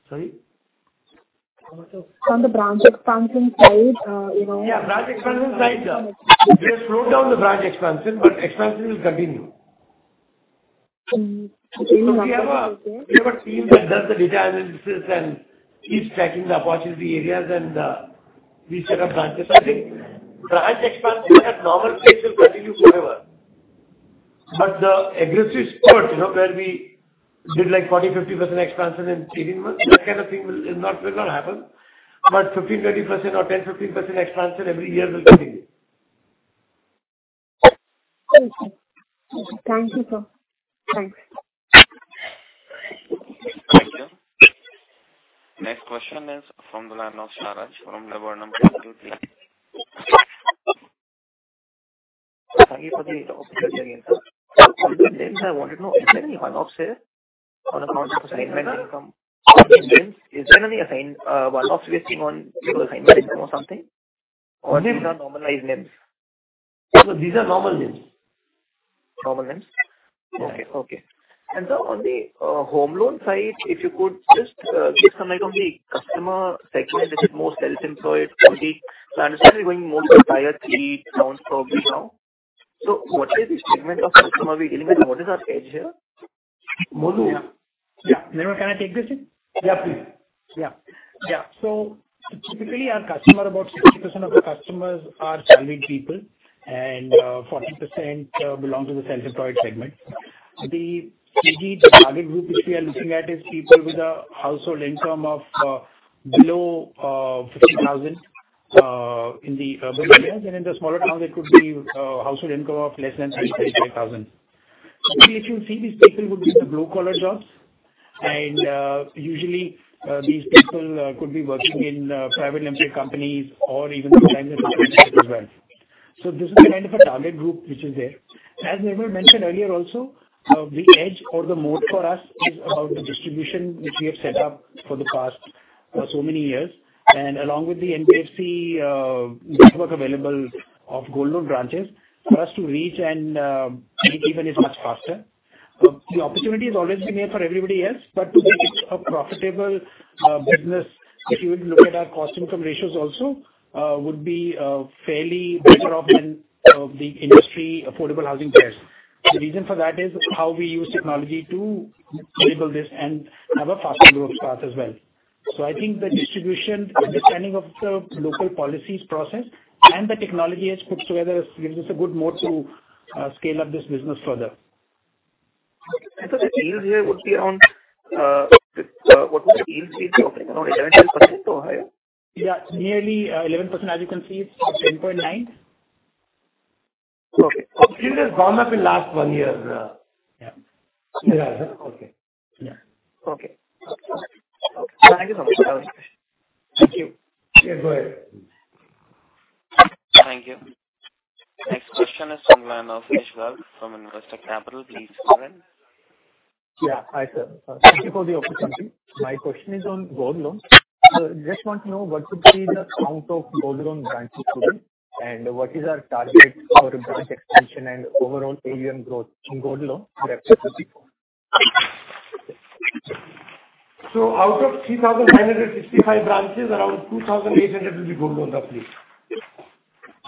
Sorry. How much. On the branch expansion side, you know. Yeah. Branch expansion side. We have slowed down the branch expansion, but expansion will continue. Okay. We have a team that does the data analysis and keeps tracking the opportunity areas and we set up branches. I think branch expansion at normal pace will continue forever. The aggressive spurt, you know, where we did like 40%, 50% expansion in 18 months, that kind of thing will not happen. 15%, 20% or 10%, 15% expansion every year will continue. Okay. Okay. Thank you, sir. Thanks. Thank you. Next question is from the line of Sharaj from Laburnum Security. Thank you for the opportunity again, sir. On the NIMs, I wanted to know is there any one-offs here on account of assignment income? On the NIMs, is there any assign one-offs we are seeing on people assignment income or something? Or these are normalized NIMs? No. These are normal NIMs. Normal NIMs? Yeah. Okay. Okay. Sir, on the home loan side, if you could just give some light on the customer segment. Is it more self-employed, salary? I understand we're going more to tier three towns probably now. What is the segment of customer we're dealing with? What is our edge here? Monu. Yeah. Yeah. Nirmal, can I take this thing? Yeah, please. Yeah. Yeah. Typically our customer, about 60% of our customers are salaried people and, 40%, belong to the self-employed segment. The, maybe the target group which we are looking at is people with a household income of, below, 50,000, in the urban areas and in the smaller towns it could be, household income of less than 35,000. Usually if you see these people would be in the blue collar jobs and, usually, these people, could be working in, private limited companies or even sometimes as contract workers as well. This is the kind of a target group which is there. As Nirmal mentioned earlier also, the edge or the moat for us is, the distribution which we have set up for the past, so many years. Along with the NBFC network available of gold loan branches for us to reach and I think even is much faster. The opportunity has always been there for everybody else. To make it a profitable business, if you would look at our cost income ratios also would be fairly better off than the industry affordable housing players. The reason for that is how we use technology to enable this and have a faster growth path as well. I think the distribution, understanding of the local policies process and the technology edge puts together gives us a good moat to scale up this business further. I thought the yields here would be around, what was the yields we'd be talking around 11%, 10% or higher. Yeah. Nearly, 11%. As you can see it's 10.9%. It has gone up in last one year. Yeah. Yeah. Okay. Yeah. Okay. Thank you so much. That was my question. Thank you. Yeah, go ahead. Thank you. Next question is from the line of [Ishwar] from Investor Capital. Please go ahead. Yeah. Hi, sir. Thank you for the opportunity. My question is on gold loans. Just want to know what would be the count of gold loan branches today and what is our target for branch expansion and overall AUM growth in gold loan for FY 2024? Out of 3,965 branches, around 2,800 will be gold loan branches.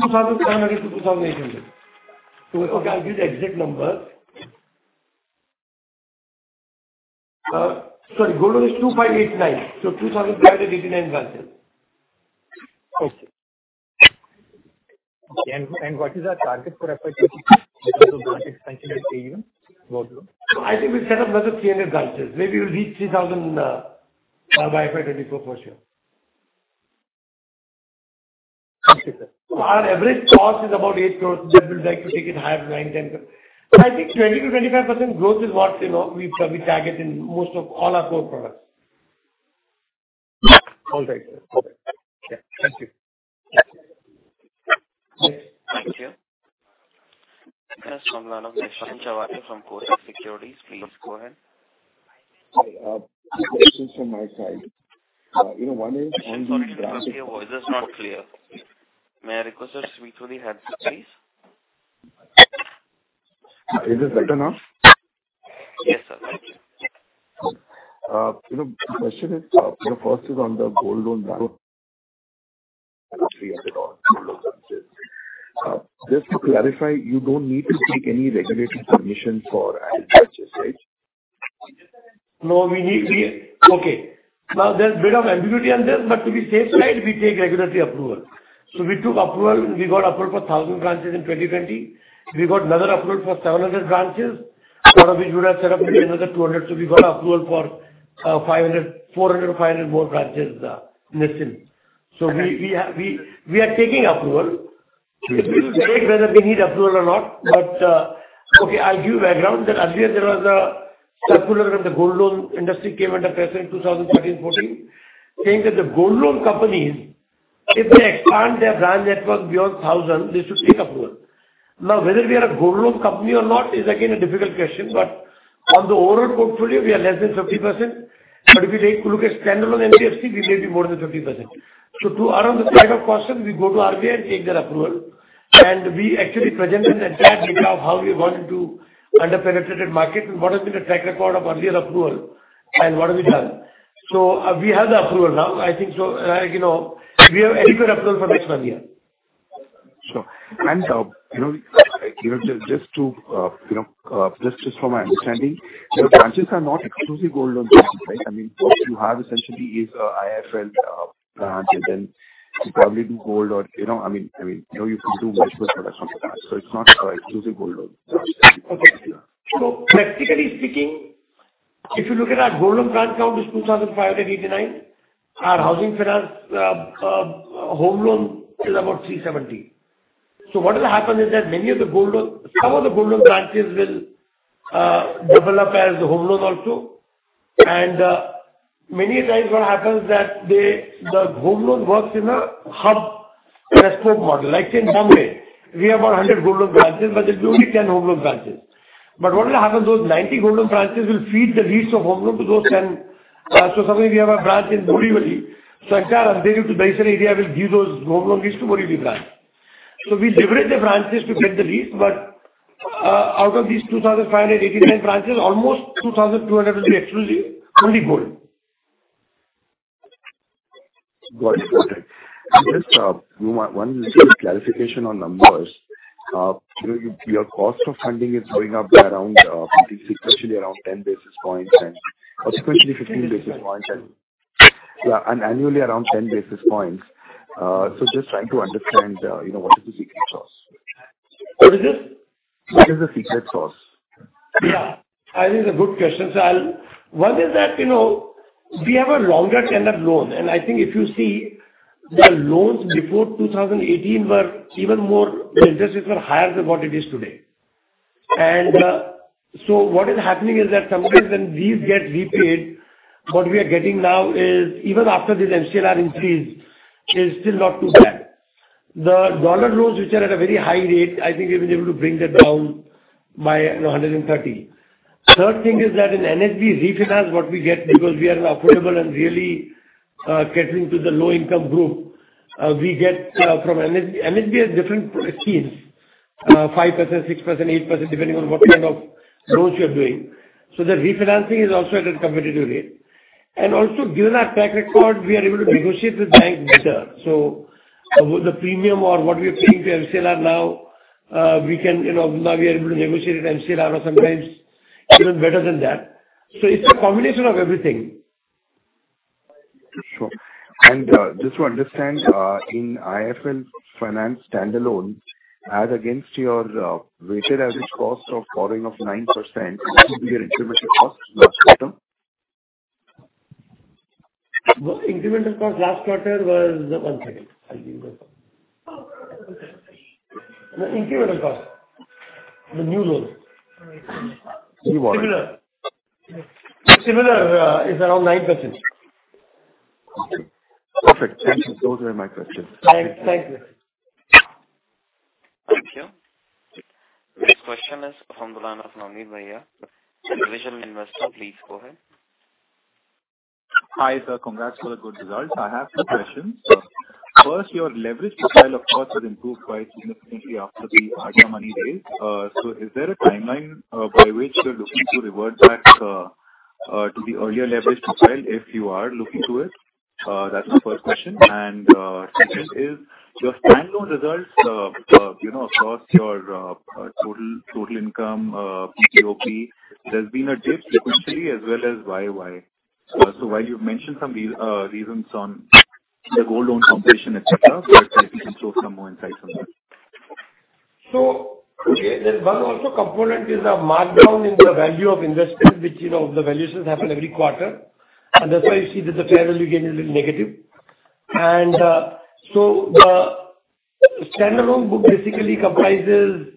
2,500-2,800. I'll get the exact number. Sorry. Gold loan is 2,589. 2,589 branches. Okay. What is our target for FY 2024 in terms of branch expansion and AUM for gold loan? I think we set up another 300 branches. Maybe we'll reach 3,000 by FY 2024 for sure. Okay, sir. Our average cost is about 8%. We would like to take it higher, 9%, 10%. I think 20%-25% growth is what, you know, we target in most of all our core products. All right, sir. Okay. Yeah. Thank you. Yes. Thank you. Next from the line of Nischint Chawathe from Kotak Securities. Please go ahead. No. Two questions from my side. you know. I'm sorry to interrupt you. Your voice is not clear. May I request you to speak through the headset, please? Is this better now? Yes, sir. Thank you. You know, the question is, the first is on the gold loan branch on gold loan branches. Just to clarify, you don't need to take any regulatory permission for adding branches, right? No. Okay. Now there's a bit of ambiguity on this, but to be safe side, we take regulatory approval. We took approval. We got approval for 1,000 branches in 2020. We got another approval for 700 branches, out of which we would have set up maybe another 200. We got approval for 500, 400-500 more branches in the scene. We are taking approval. We will debate whether we need approval or not. Okay, I'll give you background that earlier there was a circular that the gold loan industry came under press in 2013, 2014 saying that the gold loan companies, if they expand their branch network beyond 1,000, they should take approval. Whether we are a gold loan company or not is again a difficult question, but on the overall portfolio we are less than 50%. If you take a look at standalone NBFC, we may be more than 50%. To err on the side of caution, we go to RBI and take their approval, and we actually present an entire data of how we want to under-penetrated market and what has been the track record of earlier approval and what have we done. We have the approval now. I think so, you know, we have adequate approval for next one year. Sure. you know, just to, you know, just for my understanding, your branches are not exclusively gold loan branches, right? I mean, what you have essentially is, IIFL, branches, and you probably do gold or, you know, I mean, you know, you can do multiple products from the branch, so it's not exclusive gold loan branch. Practically speaking, if you look at our gold loan branch count is 2,589. Our housing finance home loan is about 370. What will happen is that many of the gold loan branches will develop as home loan also. Many a times what happens that the home loan works in a hub-and-spoke model. Like say in Bombay, we have 100 gold loan branches, but there'll be only 10 home loan branches. What will happen, those 90 gold loan branches will feed the leads of home loan to those 10. Suddenly we have a branch in Borivali. Ankara and Delhi to Basant India will give those home loan leads to Borivali branch. We leverage the branches to get the leads. Out of these 2,589 branches, almost 2,200 will be exclusively only gold. Got it. Got it. Just one small clarification on numbers. Your cost of funding is going up by around, I think sequentially around 10 basis points and consequently 15 basis points and annually around 10 basis points. Just trying to understand, you know, what is the secret sauce? What is this? What is the secret sauce? Yeah. I think it's a good question. One is that, you know, we have a longer tenure loan. I think if you see the loans before 2018 were even more, the interest rates were higher than what it is today. What is happening is that sometimes when these get repaid, what we are getting now is even after this MCLR increase is still not too bad. The dollar loans which are at a very high rate, I think we've been able to bring that down by 130. Third thing is that in NBFC refinance, what we get because we are affordable and really catering to the low income group, we get from NHB different schemes, 5%, 6%, 8%, depending on what kind of loans you're doing. The refinancing is also at a competitive rate. Also, given our track record, we are able to negotiate with banks better. With the premium or what we are paying to MCLR now, we can, you know, now we are able to negotiate at MCLR or sometimes even better than that. It's a combination of everything. Sure. Just to understand, in IIFL Finance standalone as against your weighted average cost of borrowing of 9%, what would be your incremental cost last quarter? The incremental cost last quarter was. One second. I'll give you. The incremental cost, the new loans. New one. Similar. Similar, is around 9%. Okay. Perfect. Thank you. Those were my questions. Thank you. Thank you. Next question is from the line of Navneet Bhaiya, [Vision Investment]. Please go ahead. Hi, sir. Congrats for the good results. I have two questions. First, your leverage profile, of course, has improved quite significantly after the ADIA Money raise. So is there a timeline by which you're looking to revert back to the earlier leverage profile, if you are looking to it? That's the first question. Second is your standalone results. You know across your total total income, PPOP, there's been a dip sequentially as well as YOY. So while you've mentioned some reasons on the Gold Loan completion, et cetera, if you can throw some more insight on that? Okay, there's one also component is a markdown in the value of investment, which, you know, the valuations happen every quarter, and that's why you see that the fair value gain is negative. The standalone book basically comprises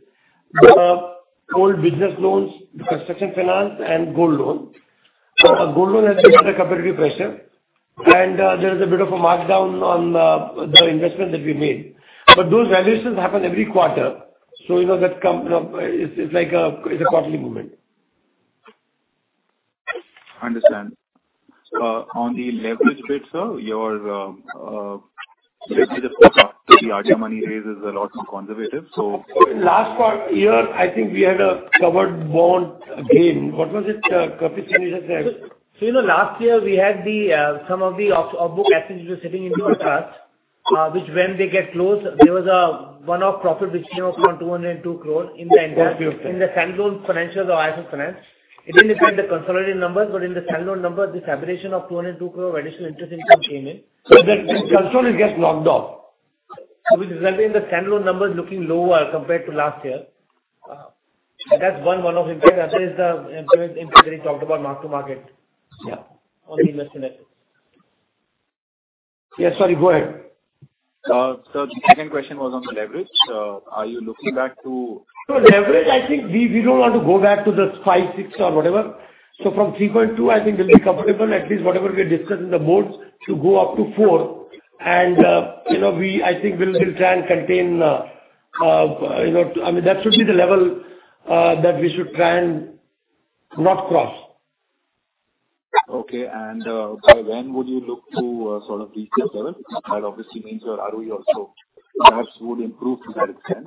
the old business loans, construction finance and gold loan. Gold loan has been under competitive pressure, and there is a bit of a markdown on the investment that we made. Those valuations happen every quarter, so you know that come, it's like a quarterly movement. Understand. on the leverage bit, sir, your, let's say the ADIA Money raise is a lot more conservative. Last part, here I think we had a covered bond again. What was it? Kapish, you just said. You know, last year we had the, some of the off-book assets which were sitting into a trust, which when they get closed, there was a one-off profit which, you know, was around 202 crore in the entire. Beautiful. In the standalone financials or IIFL Finance. It didn't affect the consolidated numbers, but in the standalone numbers, this accretion of 202 crore of additional interest income came in. That gets locked off. Which is why in the standalone numbers looking lower compared to last year. That's one-off impact. Other is the increment impact that he talked about mark-to-market. Yeah. On the investment. Yeah. Sorry. Go ahead. The second question was on the leverage. Are you looking? Leverage, I think we don't want to go back to the 5, 6 or whatever. From 3.2, I think we'll be comfortable, at least whatever we discuss in the boards to go up to 4. You know, we, I think we'll try and contain, you know, I mean, that should be the level, that we should try and not cross. Okay. By when would you look to, sort of reach that level? That obviously means your ROE also perhaps would improve to that extent.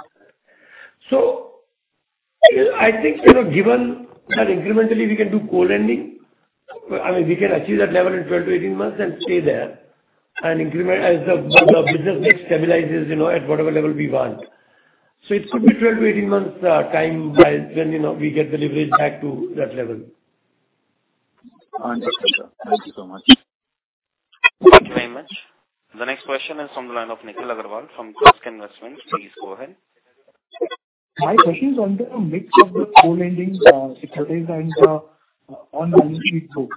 I think, you know, given that incrementally we can do co-lending, I mean, we can achieve that level in 12-18 months and stay there and increment as the business mix stabilizes, you know, at whatever level we want. It could be 12-18 months, time by when, you know, we get the leverage back to that level. Understood, sir. Thank you so much. Thank you very much. The next question is from the line of Nikhil Agarwal from Tusk Investments. Please go ahead. My question is on the mix of the co-lending strategies and on-balance sheet book.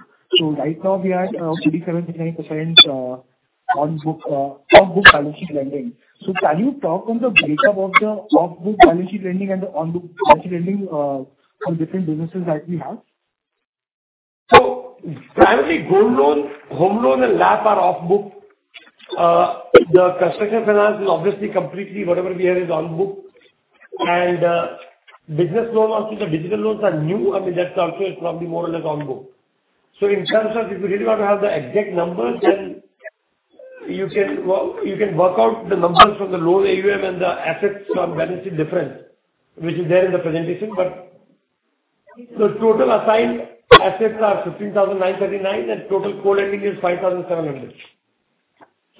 Right now we are at 37.9% on-book, off-book balance sheet lending. Can you talk on the breakup of the off-book balance sheet lending and the on-book balance sheet lending, from different businesses that we have? Primarily gold loan, home loan and LAP are off-book. The construction finance is obviously completely whatever we have is on-book. Business loan, also the digital loans are new. I mean, that's also is probably more or less on-book. In terms of if you really want to have the exact numbers, then you can work out the numbers from the loan AUM and the assets from balancing difference, which is there in the presentation. The total assigned assets are 15,939, and total co-lending is 5,700.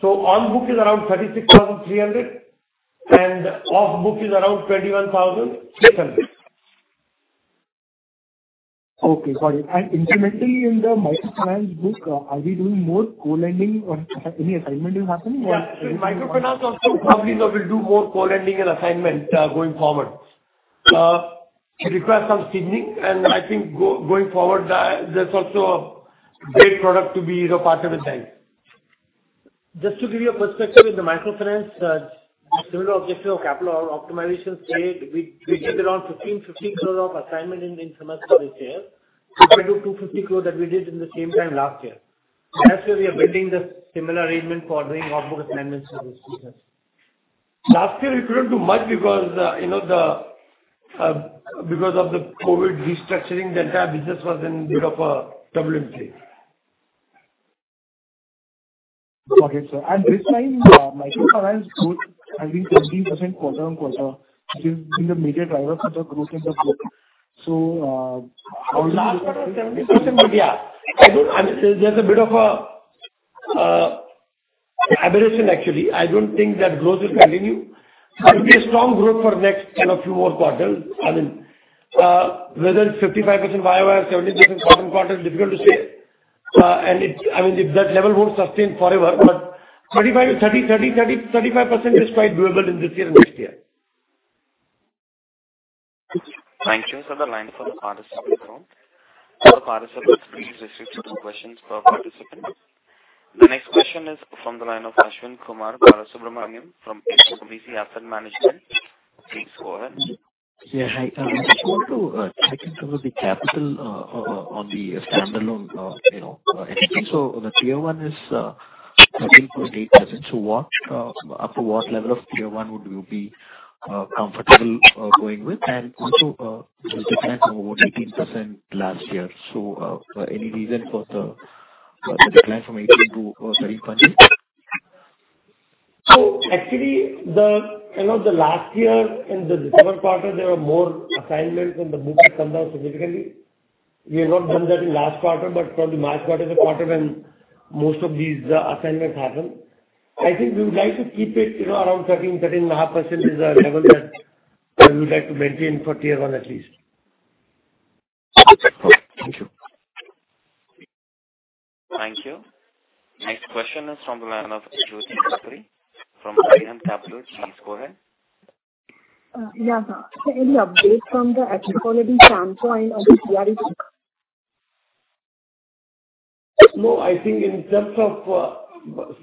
On-book is around 36,300, and off-book is around 21,600. Okay, got it. Incrementally in the microfinance book, are we doing more co-lending or any assignment is happening or? In microfinance also, probably now we'll do more co-lending and assignment going forward. It requires some seasoning, and I think going forward, that's also a great product to be, you know, part of a bank. Just to give you a perspective in the microfinance capital optimization stage, we did around 15 crore of assignment in Samasta this year compared to 250 crore that we did in the same time last year. This year we are awaiting the similar arrangement for doing off-book assignments for this season. Last year we couldn't do much because, you know, the because of the COVID restructuring, the entire business was in bit of a turbulent state. Okay, sir. This time, microfinance growth has been 17% quarter-on-quarter, which has been the major driver for the growth in the book. Last quarter 17%. yeah. I mean, there's a bit of a aberration actually. I don't think that growth will continue. There will be a strong growth for next kind of few more quarters. I mean, whether it's 55% YOY or 70% quarter-on-quarter, it's difficult to say. I mean, if that level won't sustain forever, but 30-35% is quite doable in this year and next year. Thank you. The line for RSB now. For RSB, it's please restrict to two questions per participant. The next question is from the line of Ashwin Kumar Subramaniam from HDFC Asset Management. Please go ahead. Hi. I just want to check in terms of the capital on the standalone, you know, entity. The tier one is 13.8%. What up to what level of tier one would you be comfortable going with? Also, it declined from over 18% last year. Any reason for the decline from 18% to 13.8%? Actually the, you know, the last year in the December quarter, there were more assignments and the book had come down significantly. We have not done that in last quarter, but probably March quarter is a quarter when most of these assignments happen. I think we would like to keep it, you know, around 13.5% is a level that we would like to maintain for tier one at least. Okay. Thank you. Thank you. Next question is from the line of Jyoti Khatri from Arihant Capital. Please go ahead. Sir, any update from the asset quality standpoint of the CRE book? No. I think in terms of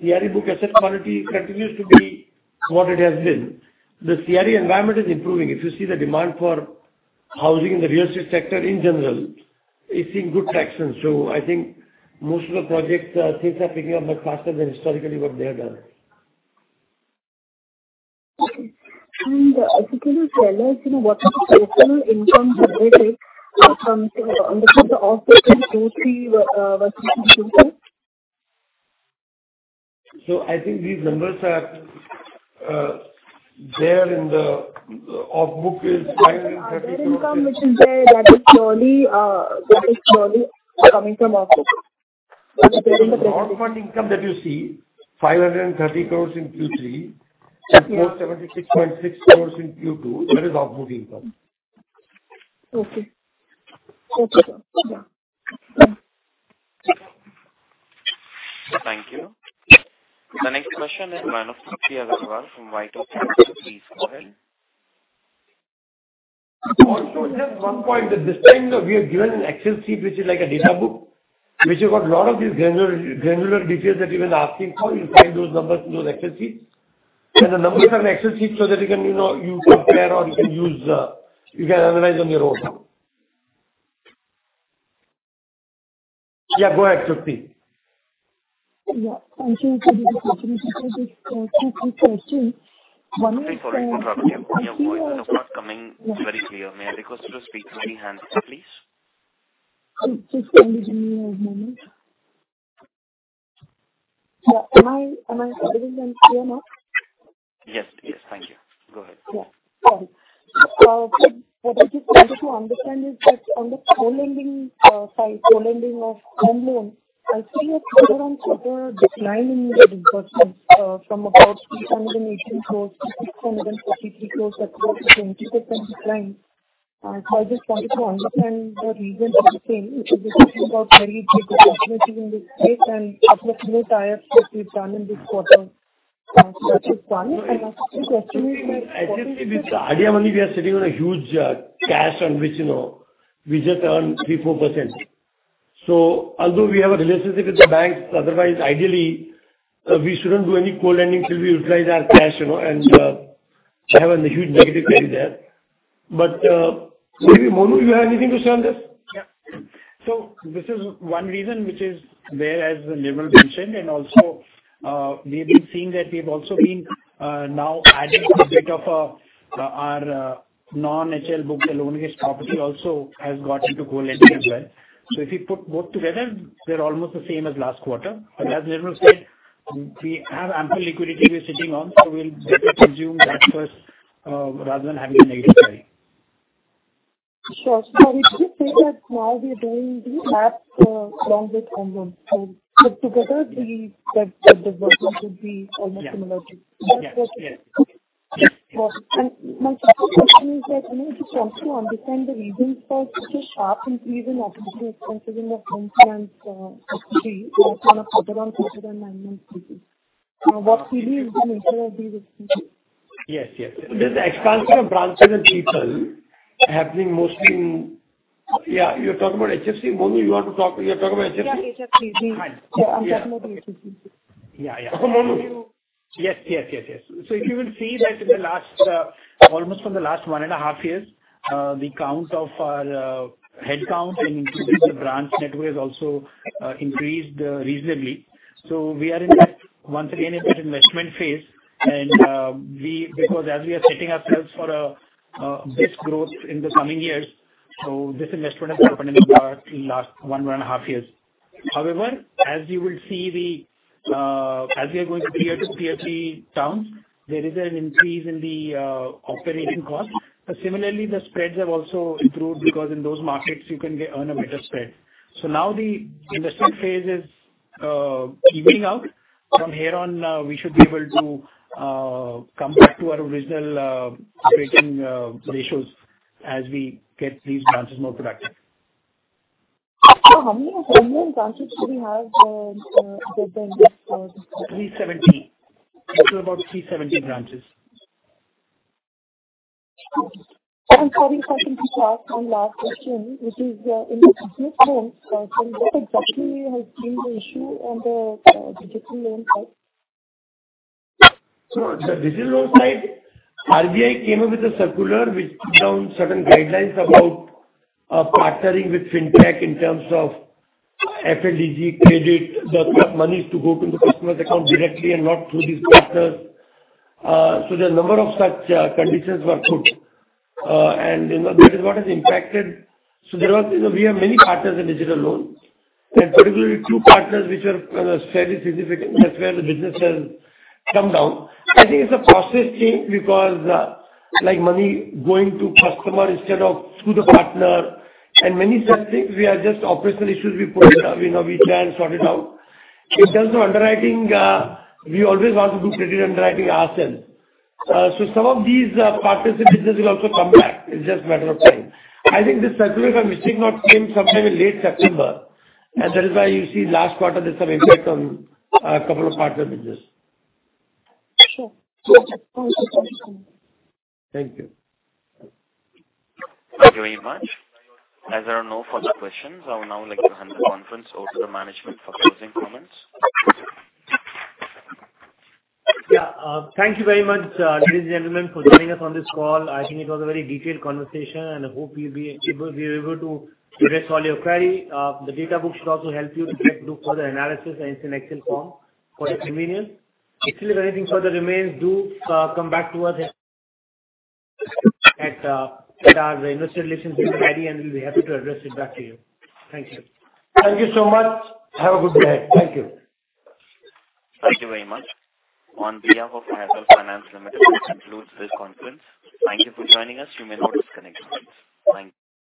CRE book asset quality continues to be what it has been. The CRE environment is improving. If you see the demand for housing in the real estate sector in general, it's seeing good traction. I think most of the projects, things are picking up much faster than historically what they have done. Okay. If you can just tell us, you know, what is the total income that they take from, you know, under the off-book in Q3 versus Q2, sir? I think these numbers are there in the off-book is 530 crore. Their income which is there, that is purely, that is purely coming from off-book. The off-book income that you see, 530 crores in Q3- Yeah. 476.6 crores in Q2, that is off-book income. Okay. Thank you, sir. Yeah. Thank you. The next question is [Manushi Agarwal] from [RBSA Advisors]. Please go ahead. Also just one point, that this time we have given an Excel sheet which is like a data book, which has got a lot of these granular details that you were asking for. You'll find those numbers in those Excel sheets. The numbers are in Excel sheets so that you can, you know, you compare or you can use, you can analyze on your own now. Yeah, go ahead, Jyoti. Yeah. Thank you for giving the opportunity. Just a quick question. One is, Sorry for the interruption. Your voice is not coming very clear. May I request you to speak through the handset please? Just one second. Give me a moment. Yeah. Am I audible and clear now? Yes. Yes. Thank you. Go ahead. Sorry. What I just wanted to understand is that on the co-lending side, co-lending of home loans, I see a quarter-on-quarter decline in the disbursements from about INR 318 crores- 653 crores, that's about a 20% decline. I just wanted to understand the reason for the same, which is especially about very big discrepancies in this space and aggressive rate hikes that we've done in this quarter. That is one. Also to estimate like-. As you see with IDFC, we are sitting on a huge cash on which, you know, we just earn 3%, 4%. Although we have a relationship with the banks, otherwise ideally, we shouldn't do any co-lending till we utilize our cash, you know, and have a huge negative carry there. Maybe Monu you have anything to say on this? Yeah. This is one reason which is there, as Nirmal mentioned, and also, we've been seeing that we've also been now adding a bit of our non-HL book loan against property also has got into co-lending as well. If you put both together, they're almost the same as last quarter. As Nirmal said, we have ample liquidity we're sitting on, so we'll better consume that first, rather than having a negative carry. Sure. Would you say that now we are doing the math, along with home loans. Put together the disbursements would be almost similar to- Yeah. That's what... Yes. Yes. Okay. Got it. My second question is that, you know, I just want to understand the reasons for such a sharp increase in operating expenses in the Home Finance subsidiary, that's on a quarter-on-quarter and annual basis. What really has been inside of these expenses? Yes. Yes. This expansion of branches and people have been mostly. Yeah, you're talking about HFC. Monu, you want to talk... You're talking about HFC? Yeah, HFC. Fine. Yeah, I'm talking about HFC. Yeah, yeah. Monu. Yes, yes, yes. If you will see that in the last, almost from the last 1.5 Years, the count of our headcount including the branch network has also increased reasonably. We are in that once again in that investment phase and, we because as we are setting ourselves for a big growth in the coming years, this investment has happened in the last 1 and a half years. However, as you will see, as we are going tier 2, tier 3 towns, there is an increase in the operating cost. Similarly, the spreads have also improved because in those markets you can get earn a better spread. Now the investment phase is evening out. From here on, we should be able to come back to our original operating ratios as we get these branches more productive. how many branches do we have with the invest? 370. Close to about 370 branches. Sorry for interrupting. One last question, which is, in the business loans, what exactly has been the issue on the digital loan side? The digital loan side, RBI came up with a circular which put down certain guidelines about partnering with Fintech in terms of FLDG credit, the money to go to the customer's account directly and not through these partners. There are number of such conditions were put, and you know, this is what has impacted. There was, you know, we have many partners in digital loans and particularly two partners which are fairly significant. That's where the business has come down. I think it's a process change because like money going to customer instead of through the partner and many such things. We are just operational issues we put, you know, we try and sort it out. In terms of underwriting, we always want to do credit underwriting ourselves. Some of these partners in business will also come back. It's just matter of time. I think this circular, if I'm missing not, came sometime in late September, and that is why you see last quarter there's some impact on a couple of partner business. Sure. Thank you. Thank you very much. As there are no further questions, I would now like to hand the conference over to management for closing comments. Thank you very much, ladies, gentlemen, for joining us on this call. I think it was a very detailed conversation, and I hope we'll be able to address all your query. The data book should also help you in fact do further analysis and it's in Excel form for your convenience. If still anything further remains, do come back to us at our investor relations email ID and we'll be happy to address it back to you. Thank you. Thank you so much. Have a good day. Thank you. Thank you very much. On behalf of IIFL Finance Limited, this concludes this conference. Thank you for joining us. You may now disconnect lines. Thank you.